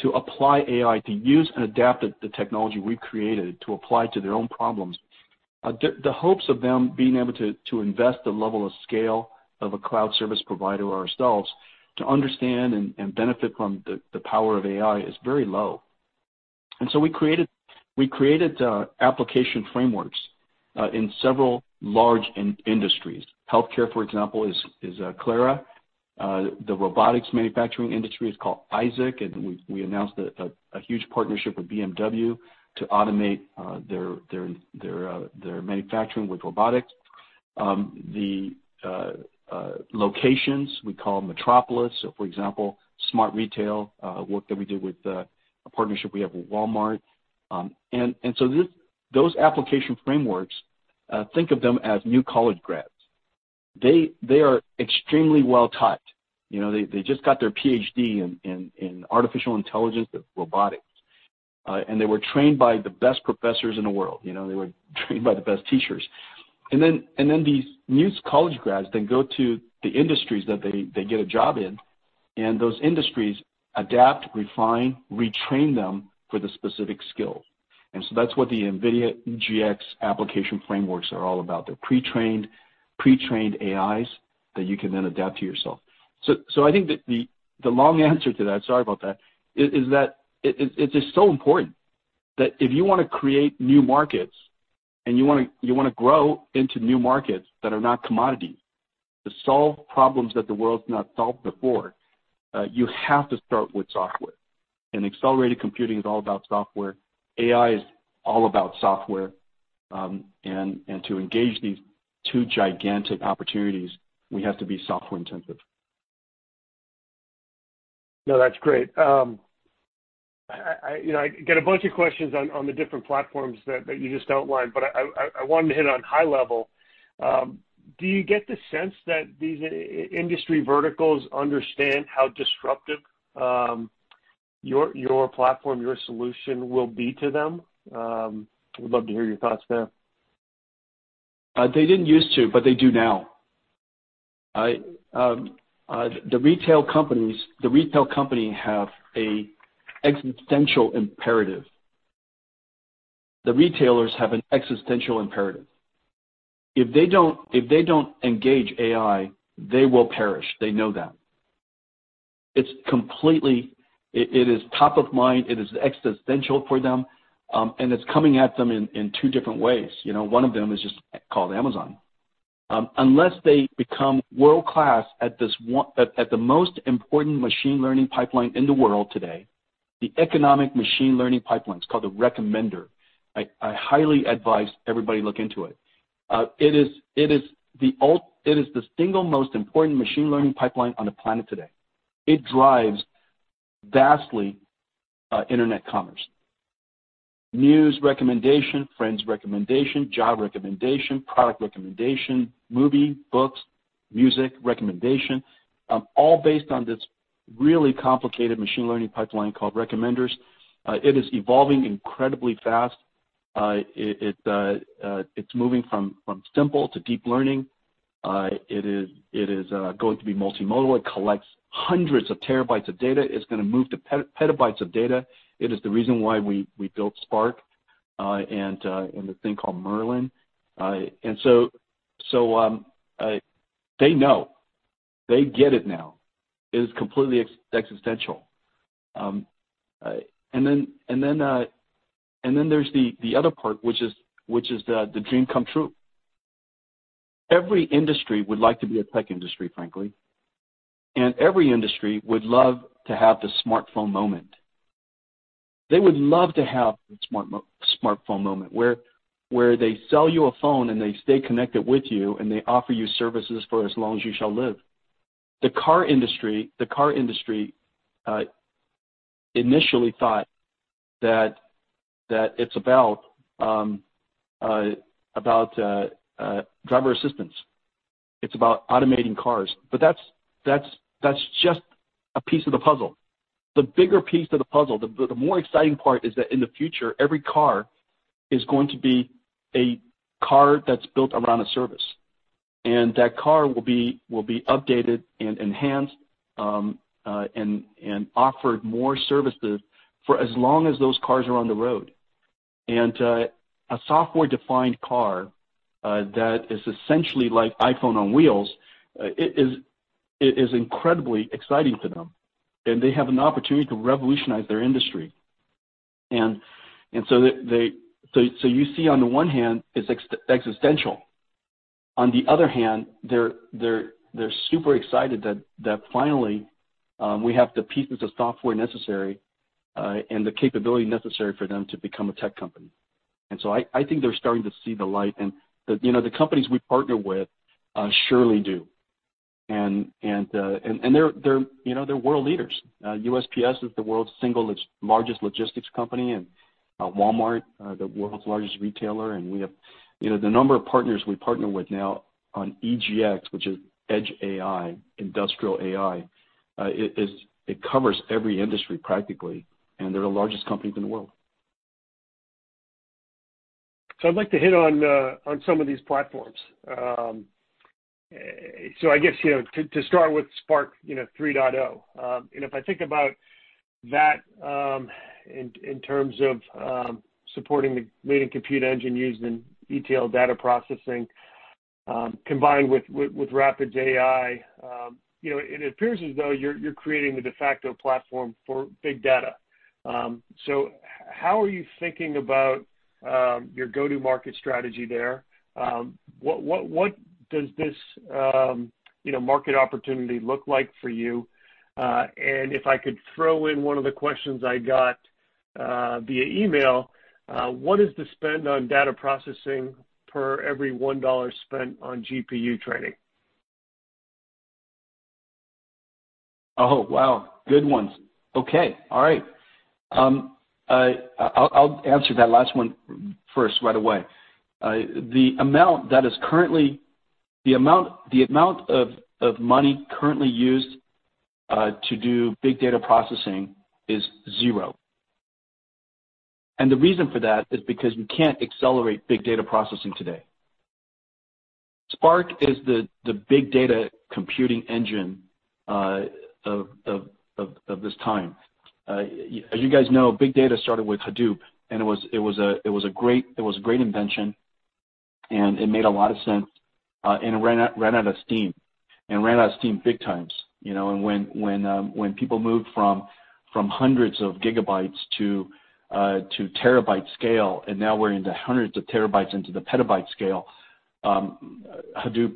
E: to apply AI, to use and adapt the technology we've created to apply to their own problems. The hopes of them being able to invest the level of scale of a cloud service provider or ourselves to understand and benefit from the power of AI is very low. We created application frameworks in several large industries. Healthcare, for example, is Clara. The robotics manufacturing industry is called Isaac, and we announced a huge partnership with BMW to automate their manufacturing with robotics. The locations, we call Metropolis. For example, smart retail work that we did with a partnership we have with Walmart. Those application frameworks, think of them as new college grads. They are extremely well-taught. They just got their PhD in artificial intelligence and robotics. They were trained by the best professors in the world. They were trained by the best teachers. These new college grads then go to the industries that they get a job in, and those industries adapt, refine, retrain them for the specific skills. That's what the NVIDIA EGX application frameworks are all about. They're pre-trained AIs that you can then adapt to yourself. I think that the long answer to that, sorry about that, is that it is so important that if you want to create new markets and you want to grow into new markets that are not commodity, to solve problems that the world's not solved before, you have to start with software. Accelerated computing is all about software. AI is all about software. To engage these two gigantic opportunities, we have to be software-intensive.
C: No, that's great. I get a bunch of questions on the different platforms that you just outlined, but I wanted to hit on high level. Do you get the sense that these industry verticals understand how disruptive your platform, your solution will be to them? I would love to hear your thoughts there.
E: They didn't used to, but they do now. The retail companies have an existential imperative. The retailers have an existential imperative. If they don't engage AI, they will perish. They know that. It is top of mind. It is existential for them. It's coming at them in two different ways. One of them is just called Amazon. Unless they become world-class at the most important machine learning pipeline in the world today, the economic machine learning pipeline, it's called the Recommender. I highly advise everybody look into it. It is the single most important machine learning pipeline on the planet today. It drives vastly internet commerce. News recommendation, friends recommendation, job recommendation, product recommendation, movie, books, music recommendation, all based on this really complicated machine learning pipeline called Recommenders. It is evolving incredibly fast. It's moving from simple to deep learning. It is going to be multimodal. It collects hundreds of terabytes of data. It's going to move to petabytes of data. It is the reason why we built Spark, and the thing called Merlin. They know. They get it now. It is completely existential. There's the other part, which is the dream come true. Every industry would like to be a tech industry, frankly, and every industry would love to have the smartphone moment. They would love to have the smartphone moment, where they sell you a phone and they stay connected with you, and they offer you services for as long as you shall live. The car industry initially thought that it's about driver assistance, it's about automating cars. That's just a piece of the puzzle. The bigger piece of the puzzle, the more exciting part is that in the future, every car is going to be a car that's built around a service. That car will be updated and enhanced, and offered more services for as long as those cars are on the road. A software-defined car, that is essentially like iPhone on wheels, it is incredibly exciting to them. They have an opportunity to revolutionize their industry. You see on the one hand, it's existential. On the other hand, they're super excited that finally, we have the pieces of software necessary and the capability necessary for them to become a tech company. I think they're starting to see the light and the companies we partner with surely do. They're world leaders. USPS is the world's single largest logistics company, and Walmart, the world's largest retailer, and the number of partners we partner with now on EGX, which is Edge AI, industrial AI, it covers every industry practically, and they're the largest companies in the world.
C: I'd like to hit on some of these platforms. I guess, to start with Spark 3.0, and if I think about that in terms of supporting the leading compute engine used in detailed data processing, combined with RAPIDS AI, it appears as though you're creating the de facto platform for big data. How are you thinking about your go-to-market strategy there? What does this market opportunity look like for you? If I could throw in one of the questions I got via email, what is the spend on data processing per every $1 spent on GPU training?
E: Oh, wow. Good ones. Okay. All right. I'll answer that last one first right away. The amount of money currently used to do big data processing is zero. The reason for that is because we can't accelerate big data processing today. Spark is the big data computing engine of this time. As you guys know, big data started with Hadoop, and it was a great invention, and it made a lot of sense, and it ran out of steam. Ran out of steam big times. When people moved from hundreds of gigabytes to terabyte scale, and now we're into hundreds of terabytes into the petabyte scale, Hadoop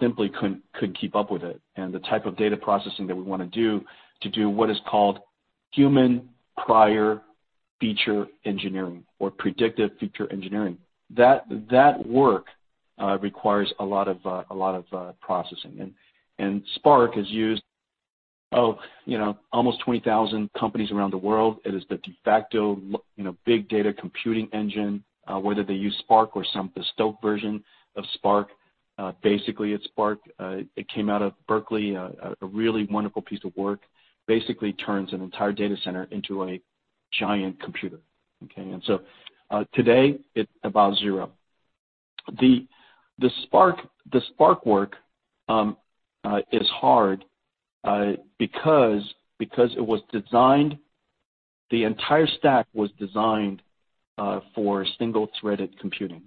E: simply couldn't keep up with it. The type of data processing that we want to do, to do what is called human prior feature engineering or predictive feature engineering. That work requires a lot of processing. Spark is used, almost 20,000 companies around the world, it is the de facto big data computing engine. Whether they use Spark or some bespoke version of Spark, basically it's Spark. It came out of Berkeley, a really wonderful piece of work. Basically turns an entire data center into a giant computer. Okay. Today, it's about zero. The Spark work is hard because the entire stack was designed for single-threaded computing.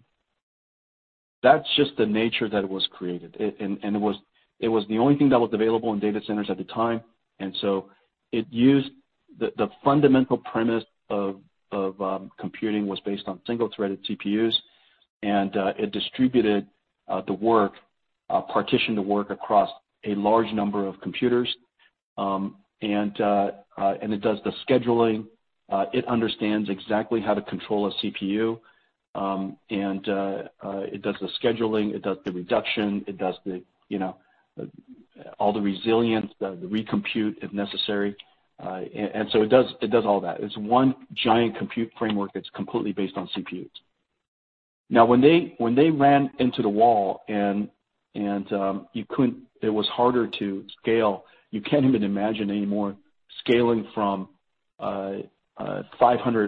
E: That's just the nature that it was created. It was the only thing that was available in data centers at the time, and so the fundamental premise of computing was based on single-threaded CPUs, and it distributed the work, partitioned the work across a large number of computers. It does the scheduling, it understands exactly how to control a CPU, it does the scheduling, it does the reduction, it does all the resilience, the recompute, if necessary. It does all that. It's one giant compute framework that's completely based on CPUs. Now, when they ran into the wall and it was harder to scale, you can't even imagine anymore scaling from 500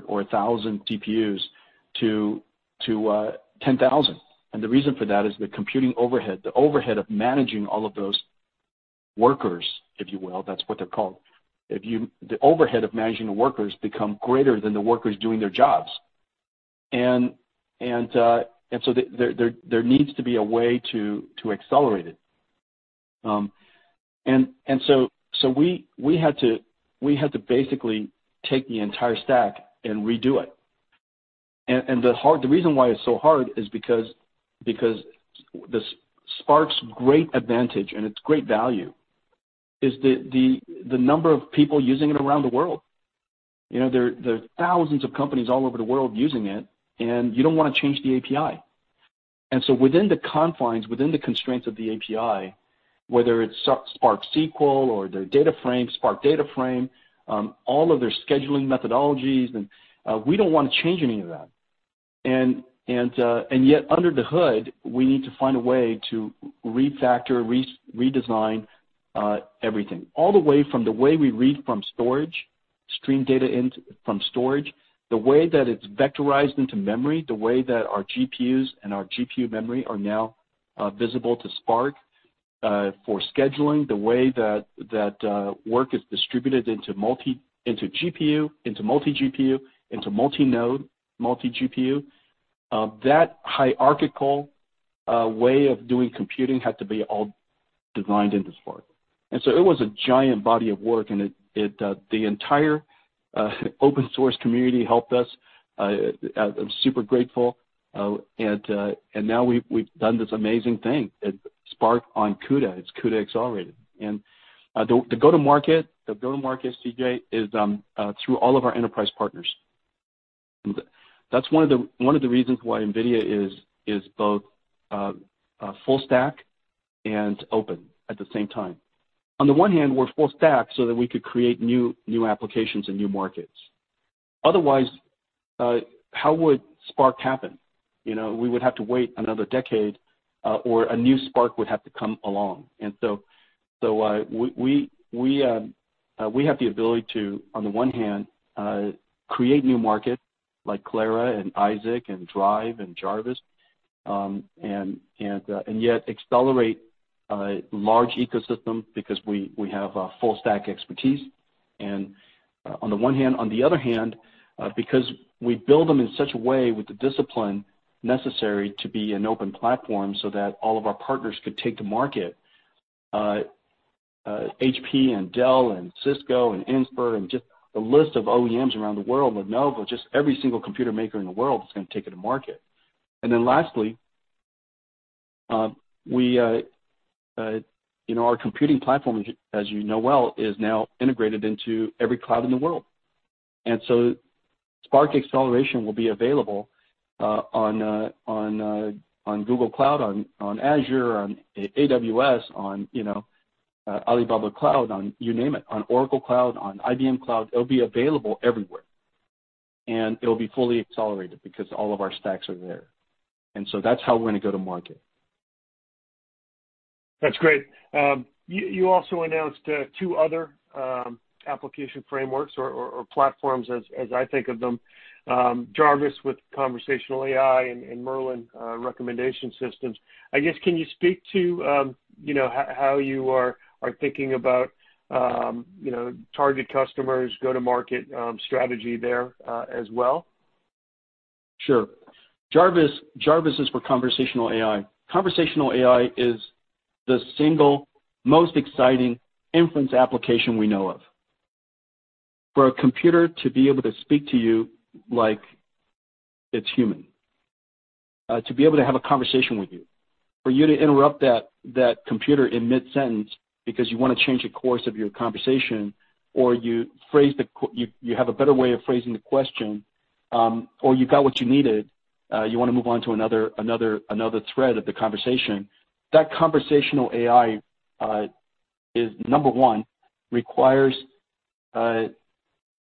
E: or 1,000 CPUs to 10,000. The reason for that is the computing overhead. The overhead of managing all of those workers, if you will, that's what they're called. The overhead of managing the workers become greater than the workers doing their jobs. There needs to be a way to accelerate it. So we had to basically take the entire stack and redo it. The reason why it's so hard is because Spark's great advantage, and its great value, is the number of people using it around the world. There are thousands of companies all over the world using it, and you don't want to change the API. Within the confines, within the constraints of the API, whether it's Spark SQL or their data frame, Spark data frame, all of their scheduling methodologies, and we don't want to change any of that. Yet under the hood, we need to find a way to refactor, redesign everything. All the way from the way we read from storage, stream data in from storage, the way that it's vectorized into memory, the way that our GPUs and our GPU memory are now visible to Spark for scheduling, the way that work is distributed into GPU, into multi-GPU, into multi-node multi-GPU. That hierarchical way of doing computing had to be all designed into Spark. It was a giant body of work, and the entire open-source community helped us. I'm super grateful. Now we've done this amazing thing. It's Spark on CUDA. It's CUDA accelerated. The go-to-market, CJ, is through all of our enterprise partners. That's one of the reasons why NVIDIA is both full stack and open at the same time. On the one hand, we're full stack so that we could create new applications and new markets. Otherwise, how would Spark happen? We would have to wait another decade, or a new Spark would have to come along. We have the ability to, on the one hand, create new markets like Clara and Isaac and DRIVE and Jarvis, and yet accelerate large ecosystems because we have full stack expertise. On the other hand, because we build them in such a way with the discipline necessary to be an open platform so that all of our partners could take to market, HP and Dell and Cisco and Inspur and just a list of OEMs around the world, Lenovo, just every single computer maker in the world is going to take it to market. Lastly, our computing platform, as you know well, is now integrated into every cloud in the world. Spark acceleration will be available on Google Cloud, on Azure, on AWS, on Alibaba Cloud, on you name it, on Oracle Cloud, on IBM Cloud. It'll be available everywhere. It'll be fully accelerated because all of our stacks are there. That's how we're going to go to market.
C: That's great. You also announced two other application frameworks or platforms, as I think of them, Jarvis with conversational AI and Merlin recommendation systems. I guess, can you speak to how you are thinking about target customers, go-to-market strategy there as well?
E: Sure. Jarvis is for conversational AI. Conversational AI is the single most exciting inference application we know of. For a computer to be able to speak to you like it's human, to be able to have a conversation with you, for you to interrupt that computer in mid-sentence because you want to change the course of your conversation, or you have a better way of phrasing the question, or you got what you needed, you want to move on to another thread of the conversation. That conversational AI is, number one, requires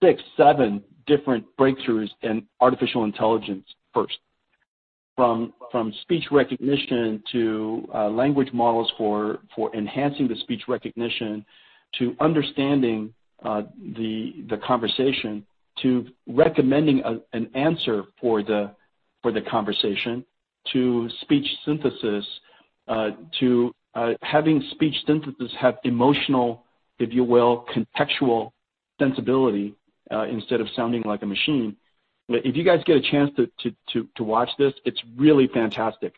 E: six, seven different breakthroughs in artificial intelligence first. From speech recognition to language models for enhancing the speech recognition to understanding the conversation to recommending an answer for the conversation to speech synthesis to having speech synthesis have emotional, if you will, contextual sensibility instead of sounding like a machine. If you guys get a chance to watch this, it's really fantastic.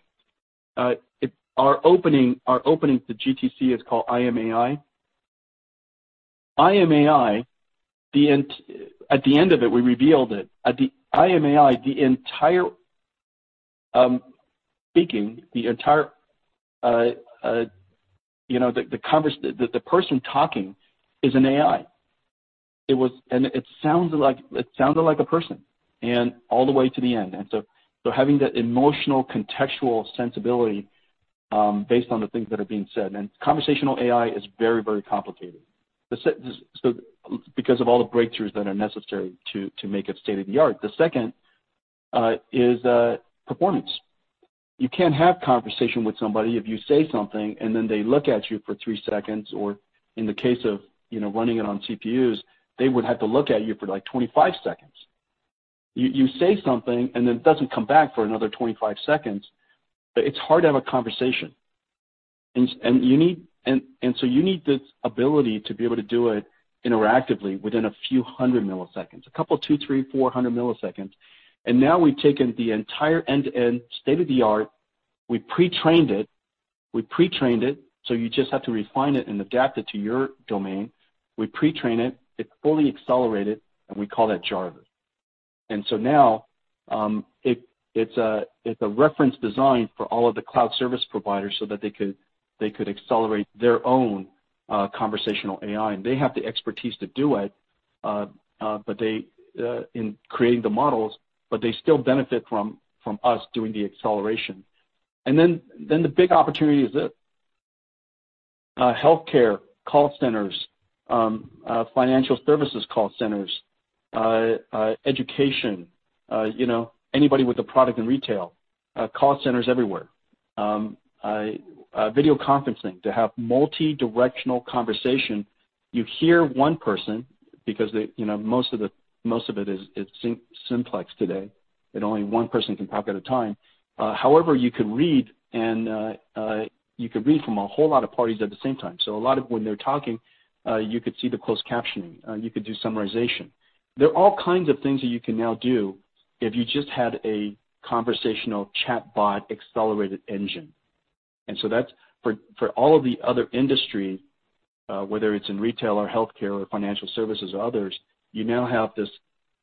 E: Our opening to GTC is called IMAI. IMAI, at the end of it, we revealed it. At the IMAI, the entire speaking, the person talking is an AI. It sounded like a person and all the way to the end. Having that emotional contextual sensibility based on the things that are being said. Conversational AI is very complicated. Because of all the breakthroughs that are necessary to make it state-of-the-art. The second is performance. You can't have conversation with somebody if you say something and then they look at you for three seconds, or in the case of running it on CPUs, they would have to look at you for like 25 seconds. You say something and then it doesn't come back for another 25 seconds. It's hard to have a conversation. You need this ability to be able to do it interactively within a few hundred milliseconds, a couple two, three, 400 milliseconds. Now we've taken the entire end-to-end state-of-the-art, we pre-trained it, so you just have to refine it and adapt it to your domain. We pre-train it's fully accelerated, and we call that Jarvis. Now it's a reference design for all of the cloud service providers so that they could accelerate their own conversational AI. They have the expertise to do it in creating the models, but they still benefit from us doing the acceleration. The big opportunity is this. Healthcare call centers, financial services call centers, education, anybody with a product in retail, call centers everywhere. Video conferencing to have multi-directional conversation. You hear one person because most of it is simplex today, and only one person can talk at a time. However, you could read from a whole lot of parties at the same time. A lot of when they're talking, you could see the closed captioning. You could do summarization. There are all kinds of things that you can now do if you just had a conversational chatbot-accelerated engine. For all of the other industry, whether it's in retail or healthcare or financial services or others, you now have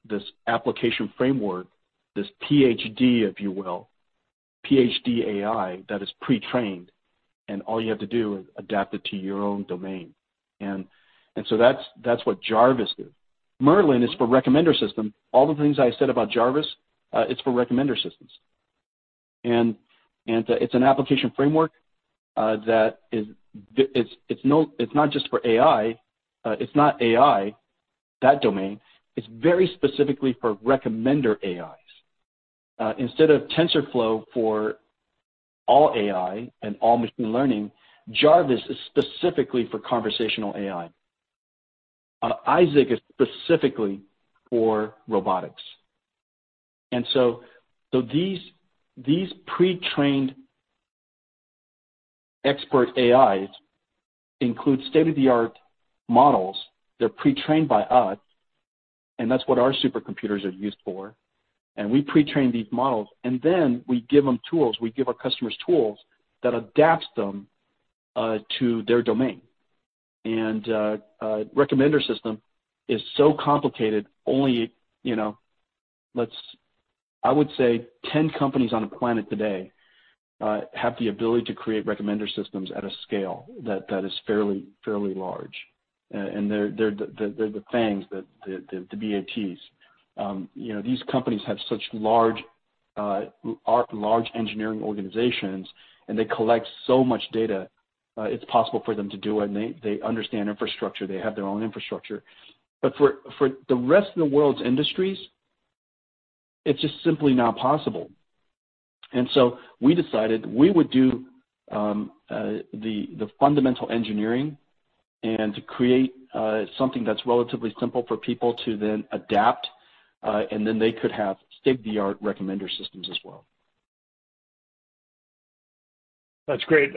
E: this application framework, this PhD, if you will, PhD AI, that is pre-trained, and all you have to do is adapt it to your own domain. That's what Jarvis is. Merlin is for recommender system. All the things I said about Jarvis, it's for recommender systems. It's an application framework that is not just for AI. It's not AI, that domain. It's very specifically for recommender AIs. Instead of TensorFlow for all AI and all machine learning, Jarvis is specifically for conversational AI. Isaac is specifically for robotics. These pre-trained expert AIs include state-of-the-art models. They're pre-trained by us, and that's what our supercomputers are used for. We pre-train these models, and then we give them tools. We give our customers tools that adapts them to their domain. A recommender system is so complicated, only I would say 10 companies on the planet today have the ability to create recommender systems at a scale that is fairly large. They're the FANGs, the BATs. These companies have such large engineering organizations, and they collect so much data, it's possible for them to do it, and they understand infrastructure. They have their own infrastructure. For the rest of the world's industries, it's just simply not possible. We decided we would do the fundamental engineering and to create something that's relatively simple for people to then adapt, and then they could have state-of-the-art recommender systems as well.
C: That's great.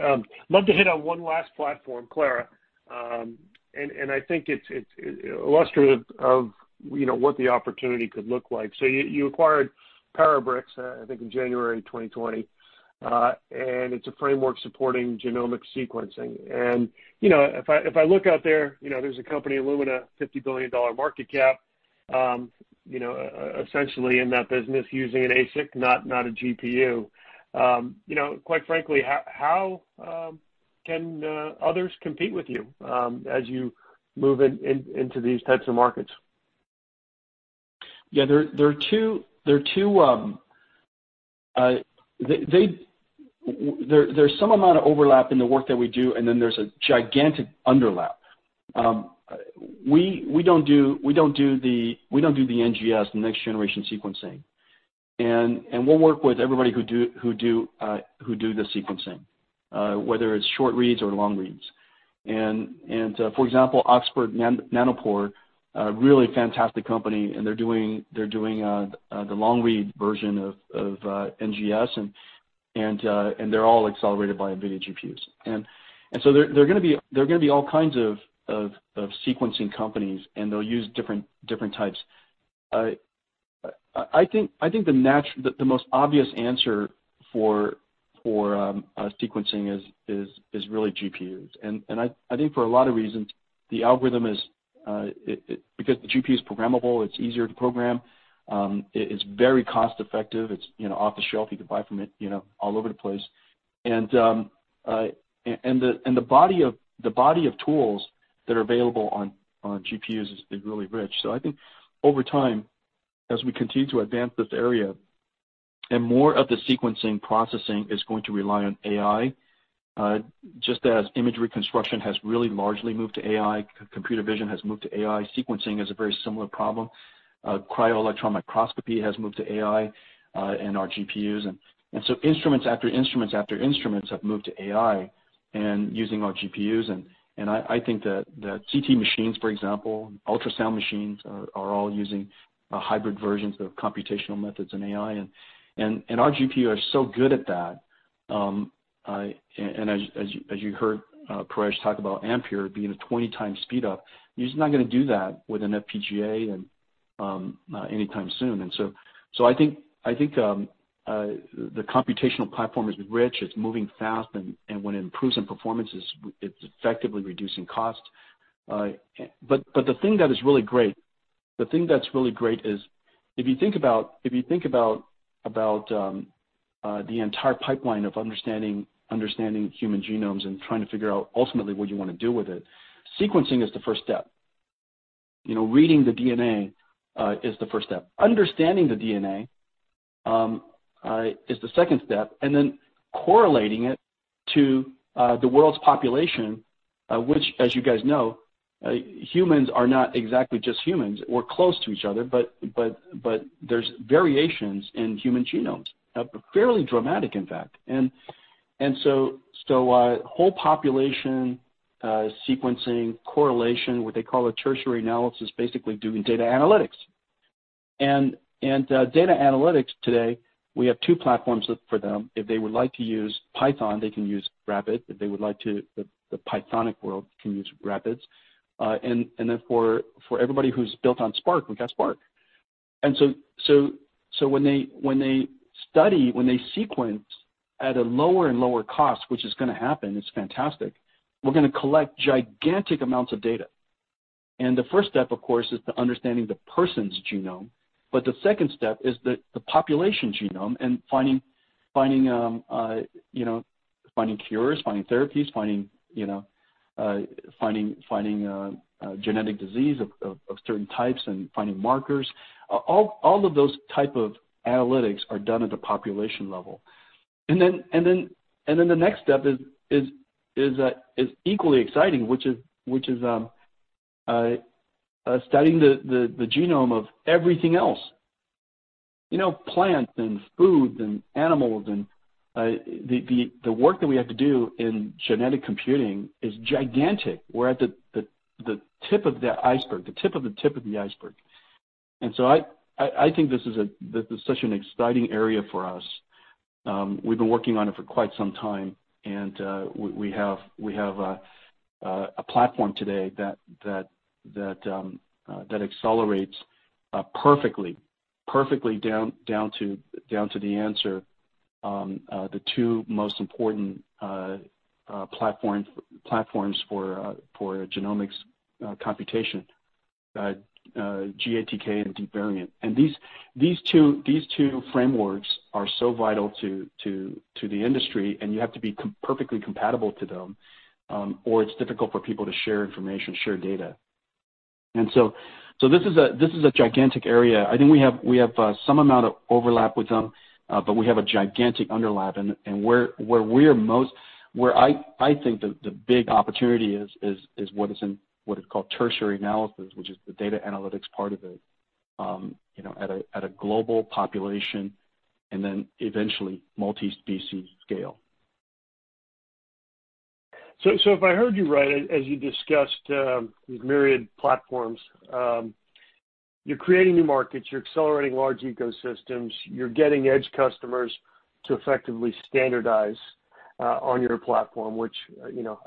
C: Love to hit on one last platform, Clara. I think it's illustrative of what the opportunity could look like. You acquired Parabricks, I think, in January 2020. It's a framework supporting genomic sequencing. If I look out there's a company, Illumina, $50 billion market cap, essentially in that business using an ASIC, not a GPU. Quite frankly, how can others compete with you as you move into these types of markets?
E: Yeah. There's some amount of overlap in the work that we do, then there's a gigantic underlap. We don't do the NGS, the next-generation sequencing. We'll work with everybody who do the sequencing, whether it's short reads or long reads. For example, Oxford Nanopore, a really fantastic company, and they're doing the long-read version of NGS, and they're all accelerated by NVIDIA GPUs. So there are going to be all kinds of sequencing companies, and they'll use different types. I think the most obvious answer for sequencing is really GPUs. I think for a lot of reasons, because the GPU is programmable, it's easier to program. It is very cost-effective. It's off the shelf. You can buy from it all over the place. The body of tools that are available on GPUs is really rich. I think over time, as we continue to advance this area and more of the sequencing processing is going to rely on AI, just as image reconstruction has really largely moved to AI, computer vision has moved to AI, sequencing is a very similar problem. Cryo-electron microscopy has moved to AI and our GPUs. Instruments after instruments have moved to AI and using our GPUs. I think that CT machines, for example, ultrasound machines, are all using hybrid versions of computational methods and AI. Our GPU are so good at that. As you heard Paresh talk about Ampere being a 20 times speed up, he's not going to do that with an FPGA anytime soon. I think the computational platform is rich, it's moving fast, and when it improves in performance, it's effectively reducing cost. The thing that's really great is if you think about the entire pipeline of understanding human genomes and trying to figure out ultimately what you want to do with it, sequencing is the first step. Reading the DNA is the first step. Understanding the DNA is the second step. Correlating it to the world's population, which, as you guys know, humans are not exactly just humans. We're close to each other, there's variations in human genomes, fairly dramatic, in fact. Whole population sequencing correlation, what they call a tertiary analysis, basically doing data analytics. Data analytics today, we have two platforms for them. If they would like to use Python, they can use RAPIDS. If they would like to, the Pythonic world can use RAPIDS. For everybody who's built on Spark, we've got Spark. When they study, when they sequence at a lower and lower cost, which is going to happen, it's fantastic, we're going to collect gigantic amounts of data. The first step, of course, is to understanding the person's genome, but the second step is the population genome and finding cures, finding therapies, finding genetic disease of certain types and finding markers. All of those type of analytics are done at the population level. The next step is equally exciting, which is studying the genome of everything else. Plants and foods and animals, and the work that we have to do in genetic computing is gigantic. We're at the tip of the iceberg, the tip of the tip of the iceberg. I think this is such an exciting area for us. We've been working on it for quite some time. We have a platform today that accelerates perfectly down to the answer the two most important platforms for genomics computation, GATK and DeepVariant. These two frameworks are so vital to the industry. You have to be perfectly compatible to them, or it's difficult for people to share information, share data. This is a gigantic area. I think we have some amount of overlap with them, but we have a gigantic underlap. Where I think the big opportunity is what is called tertiary analysis, which is the data analytics part of it at a global population, and then eventually multi-species scale.
C: If I heard you right, as you discussed these myriad platforms, you're creating new markets, you're accelerating large ecosystems, you're getting edge customers to effectively standardize on your platform, which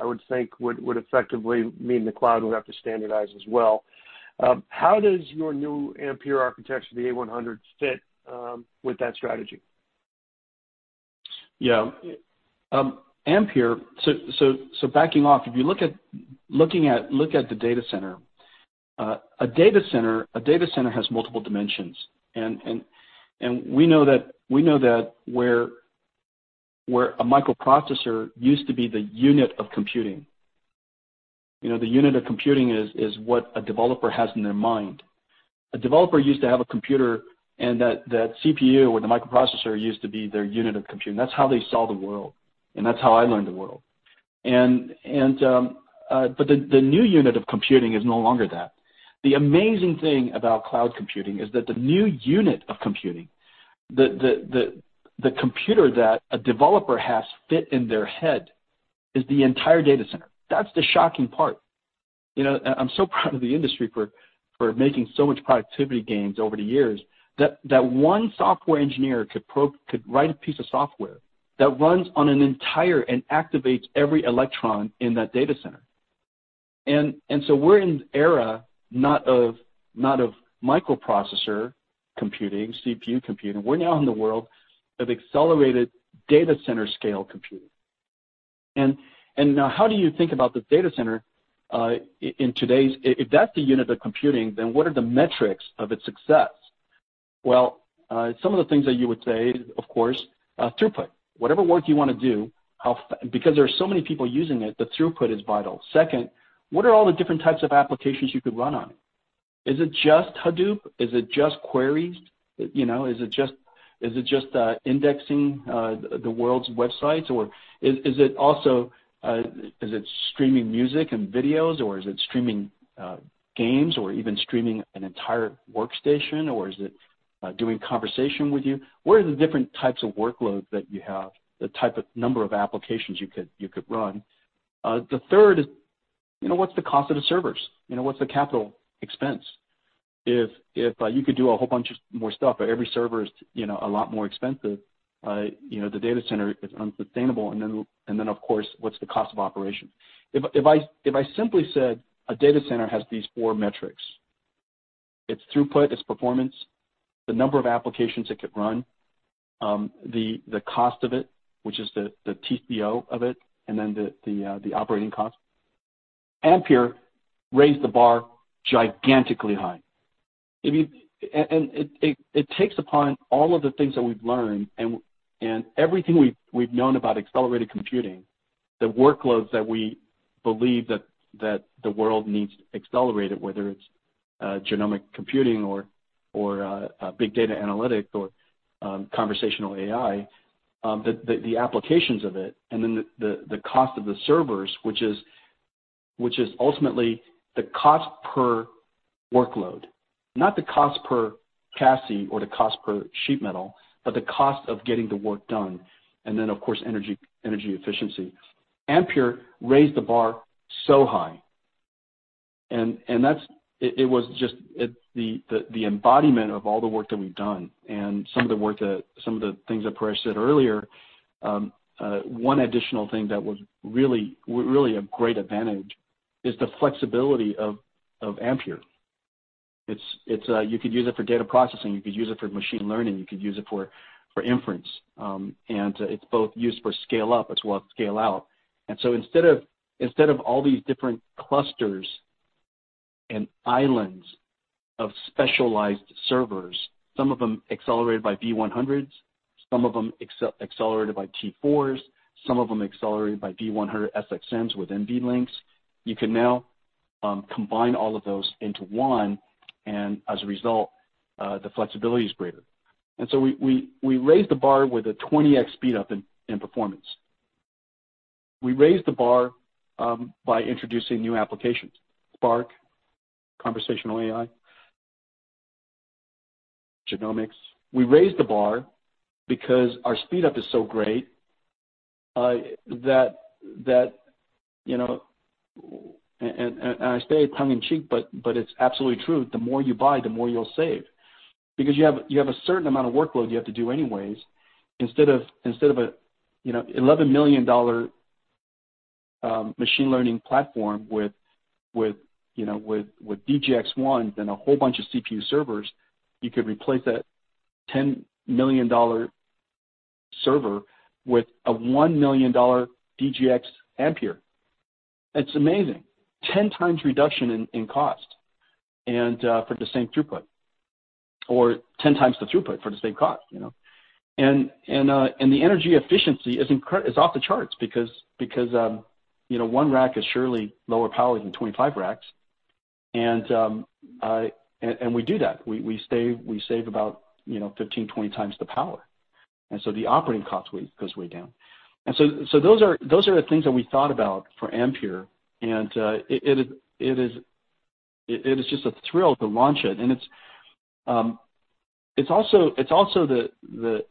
C: I would think would effectively mean the cloud would have to standardize as well. How does your new Ampere architecture, the A100, fit with that strategy?
E: Yeah. Backing off, if you look at the data center, a data center has multiple dimensions, and we know that where a microprocessor used to be the unit of computing. The unit of computing is what a developer has in their mind. A developer used to have a computer, and that CPU or the microprocessor used to be their unit of computing. That's how they saw the world, and that's how I learned the world. The new unit of computing is no longer that. The amazing thing about cloud computing is that the new unit of computing, the computer that a developer has fit in their head is the entire data center. That's the shocking part. I'm so proud of the industry for making so much productivity gains over the years that one software engineer could write a piece of software that runs on an entire and activates every electron in that data center. We're in an era not of microprocessor computing, CPU computing. We're now in the world of accelerated data center scale computing. How do you think about the data center if that's the unit of computing, then what are the metrics of its success? Well, some of the things that you would say, of course, throughput. Whatever work you want to do, because there are so many people using it, the throughput is vital. Second, what are all the different types of applications you could run on it? Is it just Hadoop? Is it just queries? Is it just indexing the world's websites, or is it streaming music and videos, or is it streaming games or even streaming an entire workstation, or is it doing conversation with you? What are the different types of workloads that you have, the type of number of applications you could run? The third is what's the cost of the servers? What's the capital expense? If you could do a whole bunch more stuff, but every server is a lot more expensive, the data center is unsustainable. Then, of course, what's the cost of operation? If I simply said a data center has these four metrics: Its throughput, its performance, the number of applications it could run, the cost of it, which is the TCO of it, and then the operating cost. Ampere raised the bar gigantically high. It takes upon all of the things that we've learned and everything we've known about accelerated computing, the workloads that we believe that the world needs accelerated, whether it's genomic computing or big data analytics or conversational AI, the applications of it, and then the cost of the servers, which is ultimately the cost per workload. Not the cost per chassis or the cost per sheet metal, but the cost of getting the work done, and then, of course, energy efficiency. Ampere raised the bar so high, and it's the embodiment of all the work that we've done and some of the things that Paresh said earlier. One additional thing that was really a great advantage is the flexibility of Ampere. You could use it for data processing, you could use it for machine learning, you could use it for inference. It's both used for scale-up as well as scale-out. Instead of all these different clusters and islands of specialized servers, some of them accelerated by V100s, some of them accelerated by T4s, some of them accelerated by V100 SXMs with NVLinks, you can now combine all of those into one, and as a result, the flexibility is greater. We raised the bar with a 20x speed-up in performance. We raised the bar by introducing new applications, Spark, conversational AI, genomics. We raised the bar because our speed-up is so great that, and I say it tongue in cheek, but it's absolutely true, the more you buy, the more you'll save. Because you have a certain amount of workload you have to do anyways. Instead of an $11 million machine learning platform with DGX-1s and a whole bunch of CPU servers, you could replace that $10 million server with a $1 million DGX Ampere. It's amazing. 10 times reduction in cost and for the same throughput, or 10 times the throughput for the same cost. The energy efficiency is off the charts because one rack is surely lower power than 25 racks. We do that. We save about 15, 20 times the power, and so the operating cost goes way down. Those are the things that we thought about for Ampere, and it is just a thrill to launch it. It's also the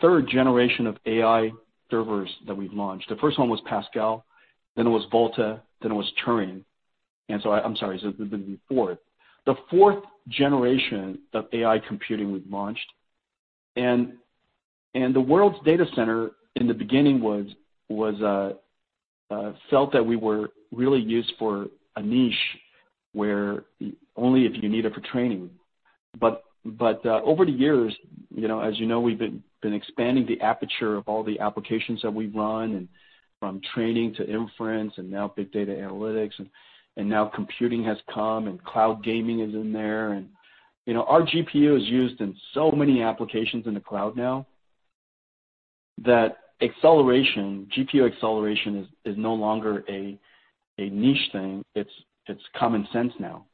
E: third generation of AI servers that we've launched. The first one was Pascal, then it was Volta, then it was Turing. I'm sorry, so it would have been the fourth. The fourth generation of AI computing we've launched. The world's data center, in the beginning, felt that we were really used for a niche where only if you need it for training. Over the years, as you know, we've been expanding the aperture of all the applications that we run and from training to inference and now big data analytics, and now computing has come, and cloud gaming is in there. Our GPU is used in so many applications in the cloud now that GPU acceleration is no longer a niche thing. It's common sense now.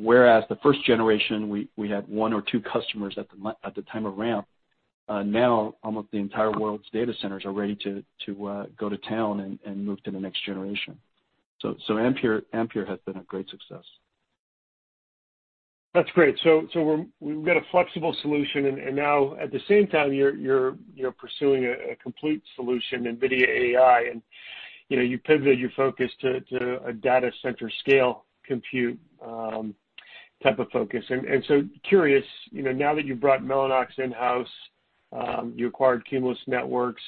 E: Whereas the first generation, we had one or two customers at the time of ramp, now almost the entire world's data centers are ready to go to town and move to the next generation. Ampere has been a great success.
C: That's great. We've got a flexible solution, and now at the same time, you're pursuing a complete solution, NVIDIA AI, and you pivoted your focus to a data center scale compute type of focus. Curious, now that you've brought Mellanox in-house, you acquired Cumulus Networks,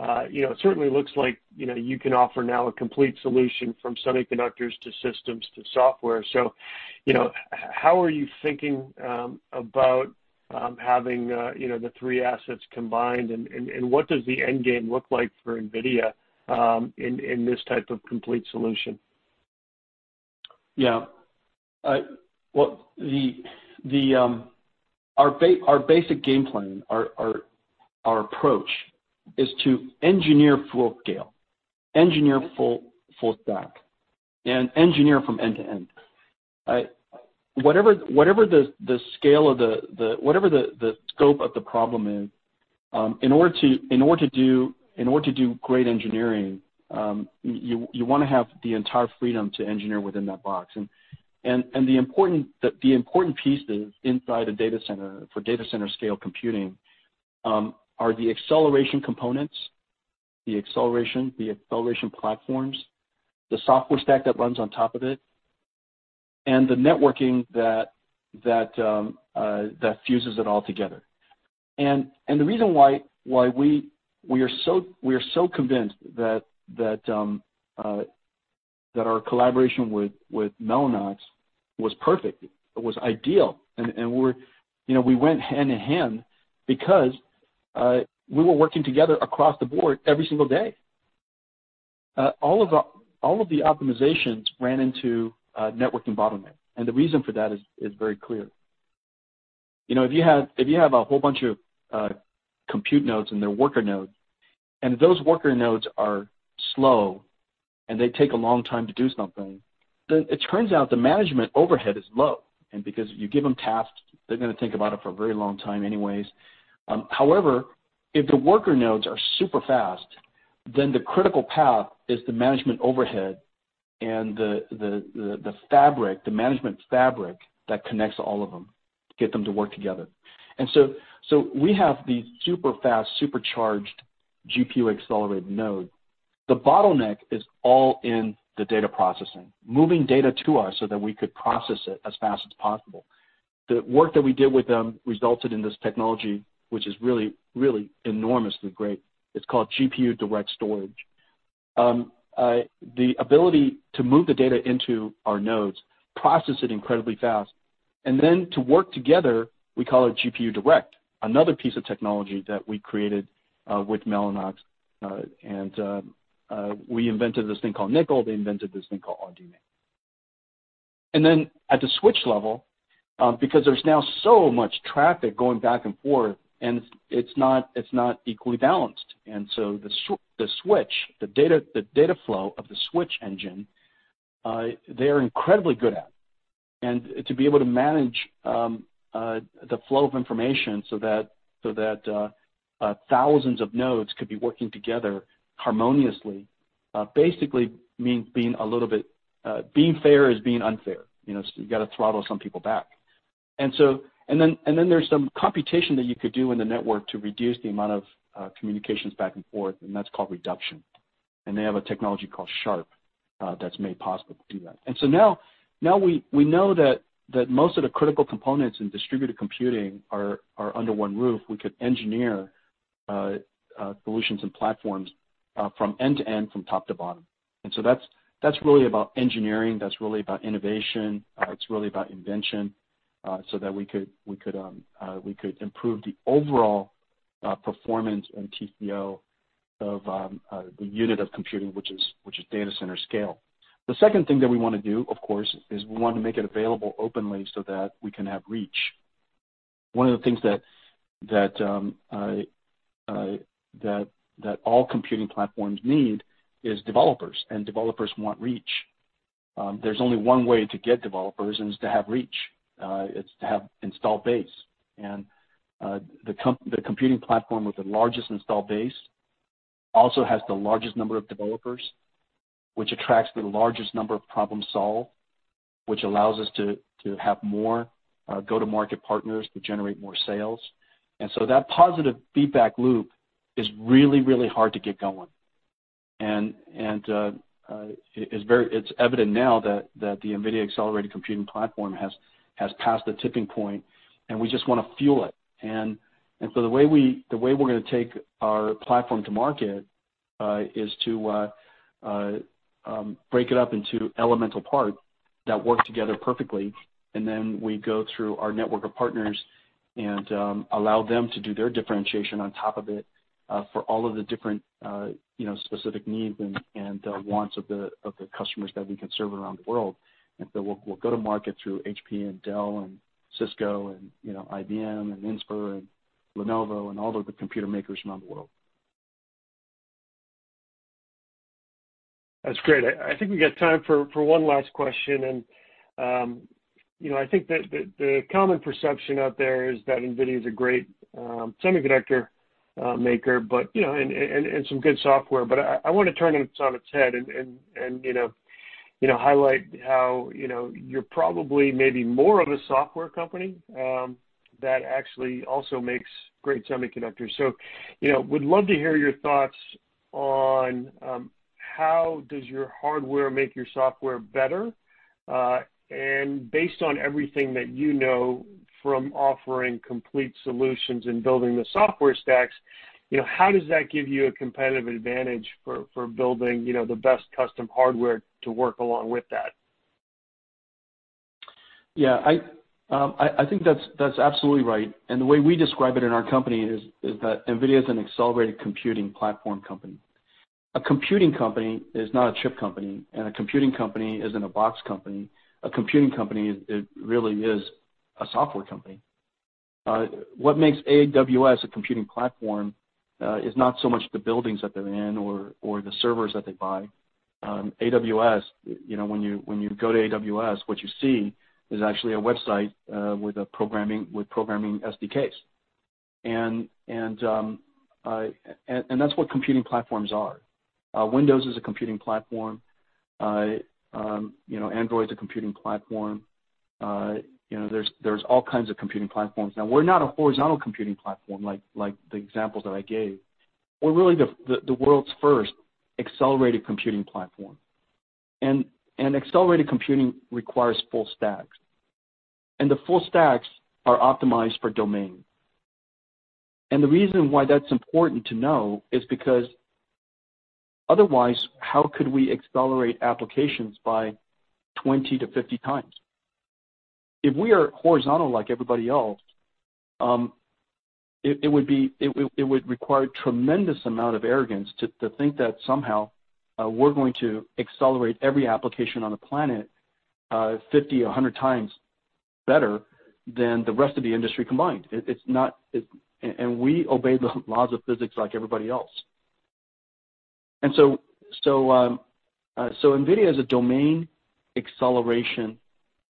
C: it certainly looks like you can offer now a complete solution from semiconductors to systems to software. How are you thinking about having the three assets combined, and what does the end game look like for NVIDIA in this type of complete solution?
E: Yeah. Our basic game plan, our approach, is to engineer full scale, engineer full stack, and engineer from end to end. Whatever the scope of the problem is, in order to do great engineering, you want to have the entire freedom to engineer within that box. The important pieces inside a data center for data center scale computing are the acceleration components, the acceleration platforms, the software stack that runs on top of it. And the networking that fuses it all together. The reason why we are so convinced that our collaboration with Mellanox was perfect, was ideal, and we went hand-in-hand because we were working together across the board every single day. All of the optimizations ran into a networking bottleneck, and the reason for that is very clear. If you have a whole bunch of compute nodes and they're worker nodes, and those worker nodes are slow and they take a long time to do something, then it turns out the management overhead is low. Because you give them tasks, they're going to think about it for a very long time anyways. However, if the worker nodes are super fast, then the critical path is the management overhead and the management fabric that connects all of them to get them to work together. We have these super fast, supercharged GPU-accelerated nodes. The bottleneck is all in the data processing, moving data to us so that we could process it as fast as possible. The work that we did with them resulted in this technology, which is really enormously great. It's called GPUDirect Storage. The ability to move the data into our nodes, process it incredibly fast, and then to work together, we call it GPUDirect, another piece of technology that we created with Mellanox. We invented this thing called NCCL. They invented this thing called RDMA. At the switch level, because there's now so much traffic going back and forth, it's not equally balanced. The switch, the data flow of the switch engine, they're incredibly good at. To be able to manage the flow of information so that thousands of nodes could be working together harmoniously basically means being fair is being unfair. You've got to throttle some people back. There's some computation that you could do in the network to reduce the amount of communications back and forth, and that's called reduction. They have a technology called SHARP that's made possible to do that. Now we know that most of the critical components in distributed computing are under one roof. We could engineer solutions and platforms from end to end, from top to bottom. That's really about engineering. That's really about innovation. It's really about invention so that we could improve the overall performance and TCO of the unit of computing, which is data center scale. The second thing that we want to do, of course, is we want to make it available openly so that we can have reach. One of the things that all computing platforms need is developers, and developers want reach. There's only one way to get developers, and it's to have reach. It's to have installed base. The computing platform with the largest installed base also has the largest number of developers, which attracts the largest number of problem solve, which allows us to have more go-to-market partners to generate more sales. That positive feedback loop is really hard to get going. It's evident now that the NVIDIA accelerated computing platform has passed the tipping point, and we just want to fuel it. The way we're going to take our platform to market is to break it up into elemental parts that work together perfectly, and then we go through our network of partners and allow them to do their differentiation on top of it for all of the different specific needs and wants of the customers that we can serve around the world. We'll go to market through HP and Dell and Cisco and IBM and Inspur and Lenovo and all of the computer makers around the world.
C: That's great. I think we got time for one last question. I think that the common perception out there is that NVIDIA is a great semiconductor maker and some good software. I want to turn it on its head and highlight how you're probably maybe more of a software company that actually also makes great semiconductors. Would love to hear your thoughts on how does your hardware make your software better? Based on everything that you know from offering complete solutions and building the software stacks, how does that give you a competitive advantage for building the best custom hardware to work along with that?
E: I think that's absolutely right. The way we describe it in our company is that NVIDIA is an accelerated computing platform company. A computing company is not a chip company, and a computing company isn't a box company. A computing company really is a software company. What makes AWS a computing platform is not so much the buildings that they're in or the servers that they buy. AWS, when you go to AWS, what you see is actually a website with programming SDKs. That's what computing platforms are. Windows is a computing platform. Android is a computing platform. There's all kinds of computing platforms. Now, we're not a horizontal computing platform like the examples that I gave. We're really the world's first accelerated computing platform. Accelerated computing requires full stacks. The full stacks are optimized for domain. The reason why that's important to know is because otherwise, how could we accelerate applications by 20 to 50 times? If we are horizontal like everybody else, it would require a tremendous amount of arrogance to think that somehow we're going to accelerate every application on the planet 50 or 100 times better than the rest of the industry combined. We obey the laws of physics like everybody else. NVIDIA is a domain acceleration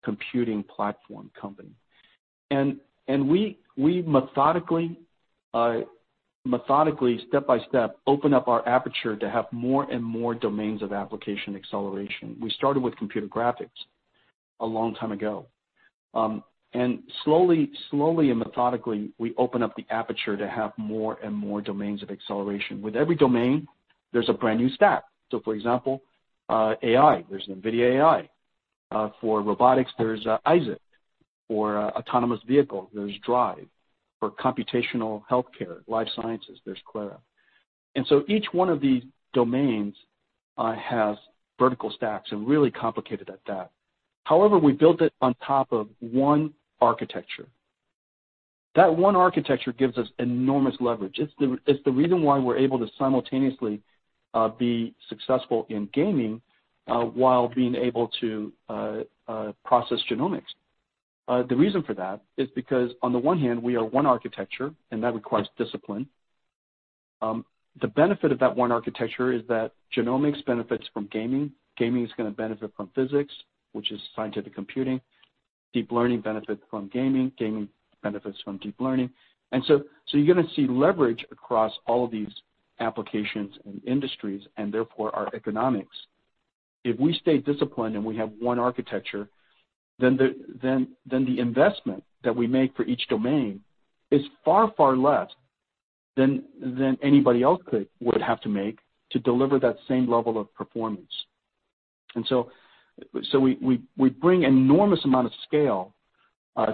E: computing platform company. We methodically, step-by-step, open up our aperture to have more and more domains of application acceleration. We started with computer graphics a long time ago. Slowly and methodically, we open up the aperture to have more and more domains of acceleration. With every domain, there's a brand new stack. For example, AI, there's NVIDIA AI. For robotics, there's Isaac. For autonomous vehicle, there's DRIVE. For computational healthcare life sciences, there's Clara. Each one of these domains has vertical stacks, and really complicated at that. However, we built it on top of one architecture. That one architecture gives us enormous leverage. It's the reason why we're able to simultaneously be successful in gaming while being able to process genomics. The reason for that is because on the one hand, we are one architecture, and that requires discipline. The benefit of that one architecture is that genomics benefits from gaming is going to benefit from physics, which is scientific computing. Deep learning benefits from gaming benefits from deep learning. You're going to see leverage across all of these applications and industries, and therefore our economics. If we stay disciplined and we have one architecture, then the investment that we make for each domain is far, far less than anybody else would have to make to deliver that same level of performance. We bring enormous amount of scale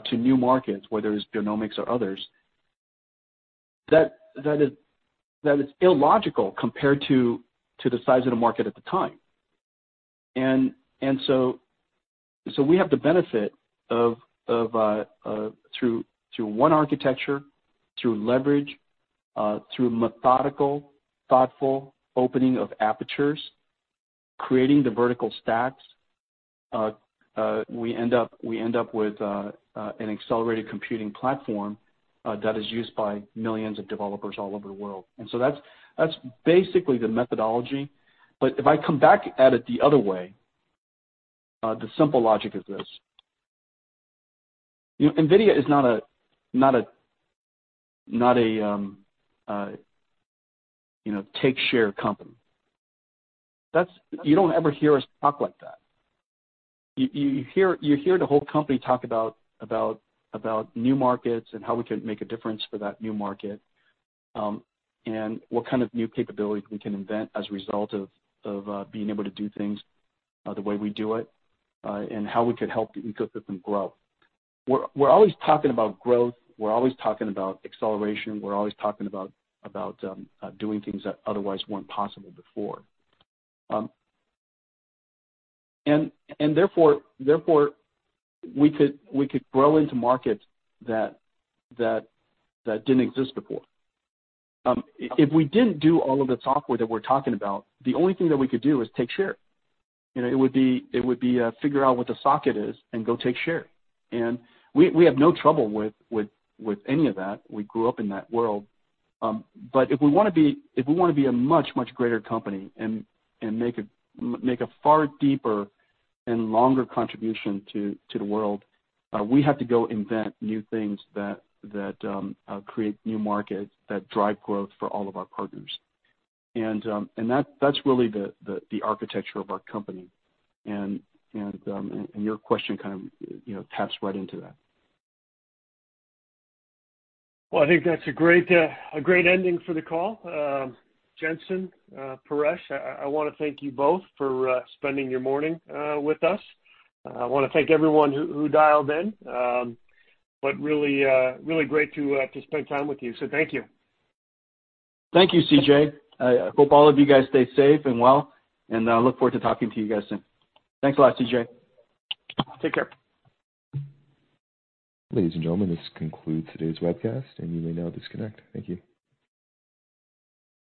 E: to new markets, whether it's genomics or others, that is illogical compared to the size of the market at the time. We have the benefit of through one architecture, through leverage, through methodical, thoughtful opening of apertures, creating the vertical stacks, we end up with an accelerated computing platform that is used by millions of developers all over the world. That's basically the methodology. If I come back at it the other way, the simple logic is this. NVIDIA is not a take share company. You don't ever hear us talk like that. You hear the whole company talk about new markets and how we can make a difference for that new market, and what kind of new capabilities we can invent as a result of being able to do things the way we do it, and how we could help the ecosystem grow. We're always talking about growth. We're always talking about acceleration. We're always talking about doing things that otherwise weren't possible before. Therefore we could grow into markets that didn't exist before. If we didn't do all of the software that we're talking about, the only thing that we could do is take share. It would be figure out what the socket is and go take share. We have no trouble with any of that. We grew up in that world. If we want to be a much, much greater company and make a far deeper and longer contribution to the world, we have to go invent new things that create new markets, that drive growth for all of our partners. That's really the architecture of our company, and your question kind of taps right into that.
C: Well, I think that's a great ending for the call. Jensen, Paresh, I want to thank you both for spending your morning with us. I want to thank everyone who dialed in. Really great to spend time with you. Thank you.
E: Thank you, CJ. I hope all of you guys stay safe and well, and I look forward to talking to you guys soon. Thanks a lot, CJ. Take care.
A: Ladies and gentlemen, this concludes today's webcast, and you may now disconnect. Thank you.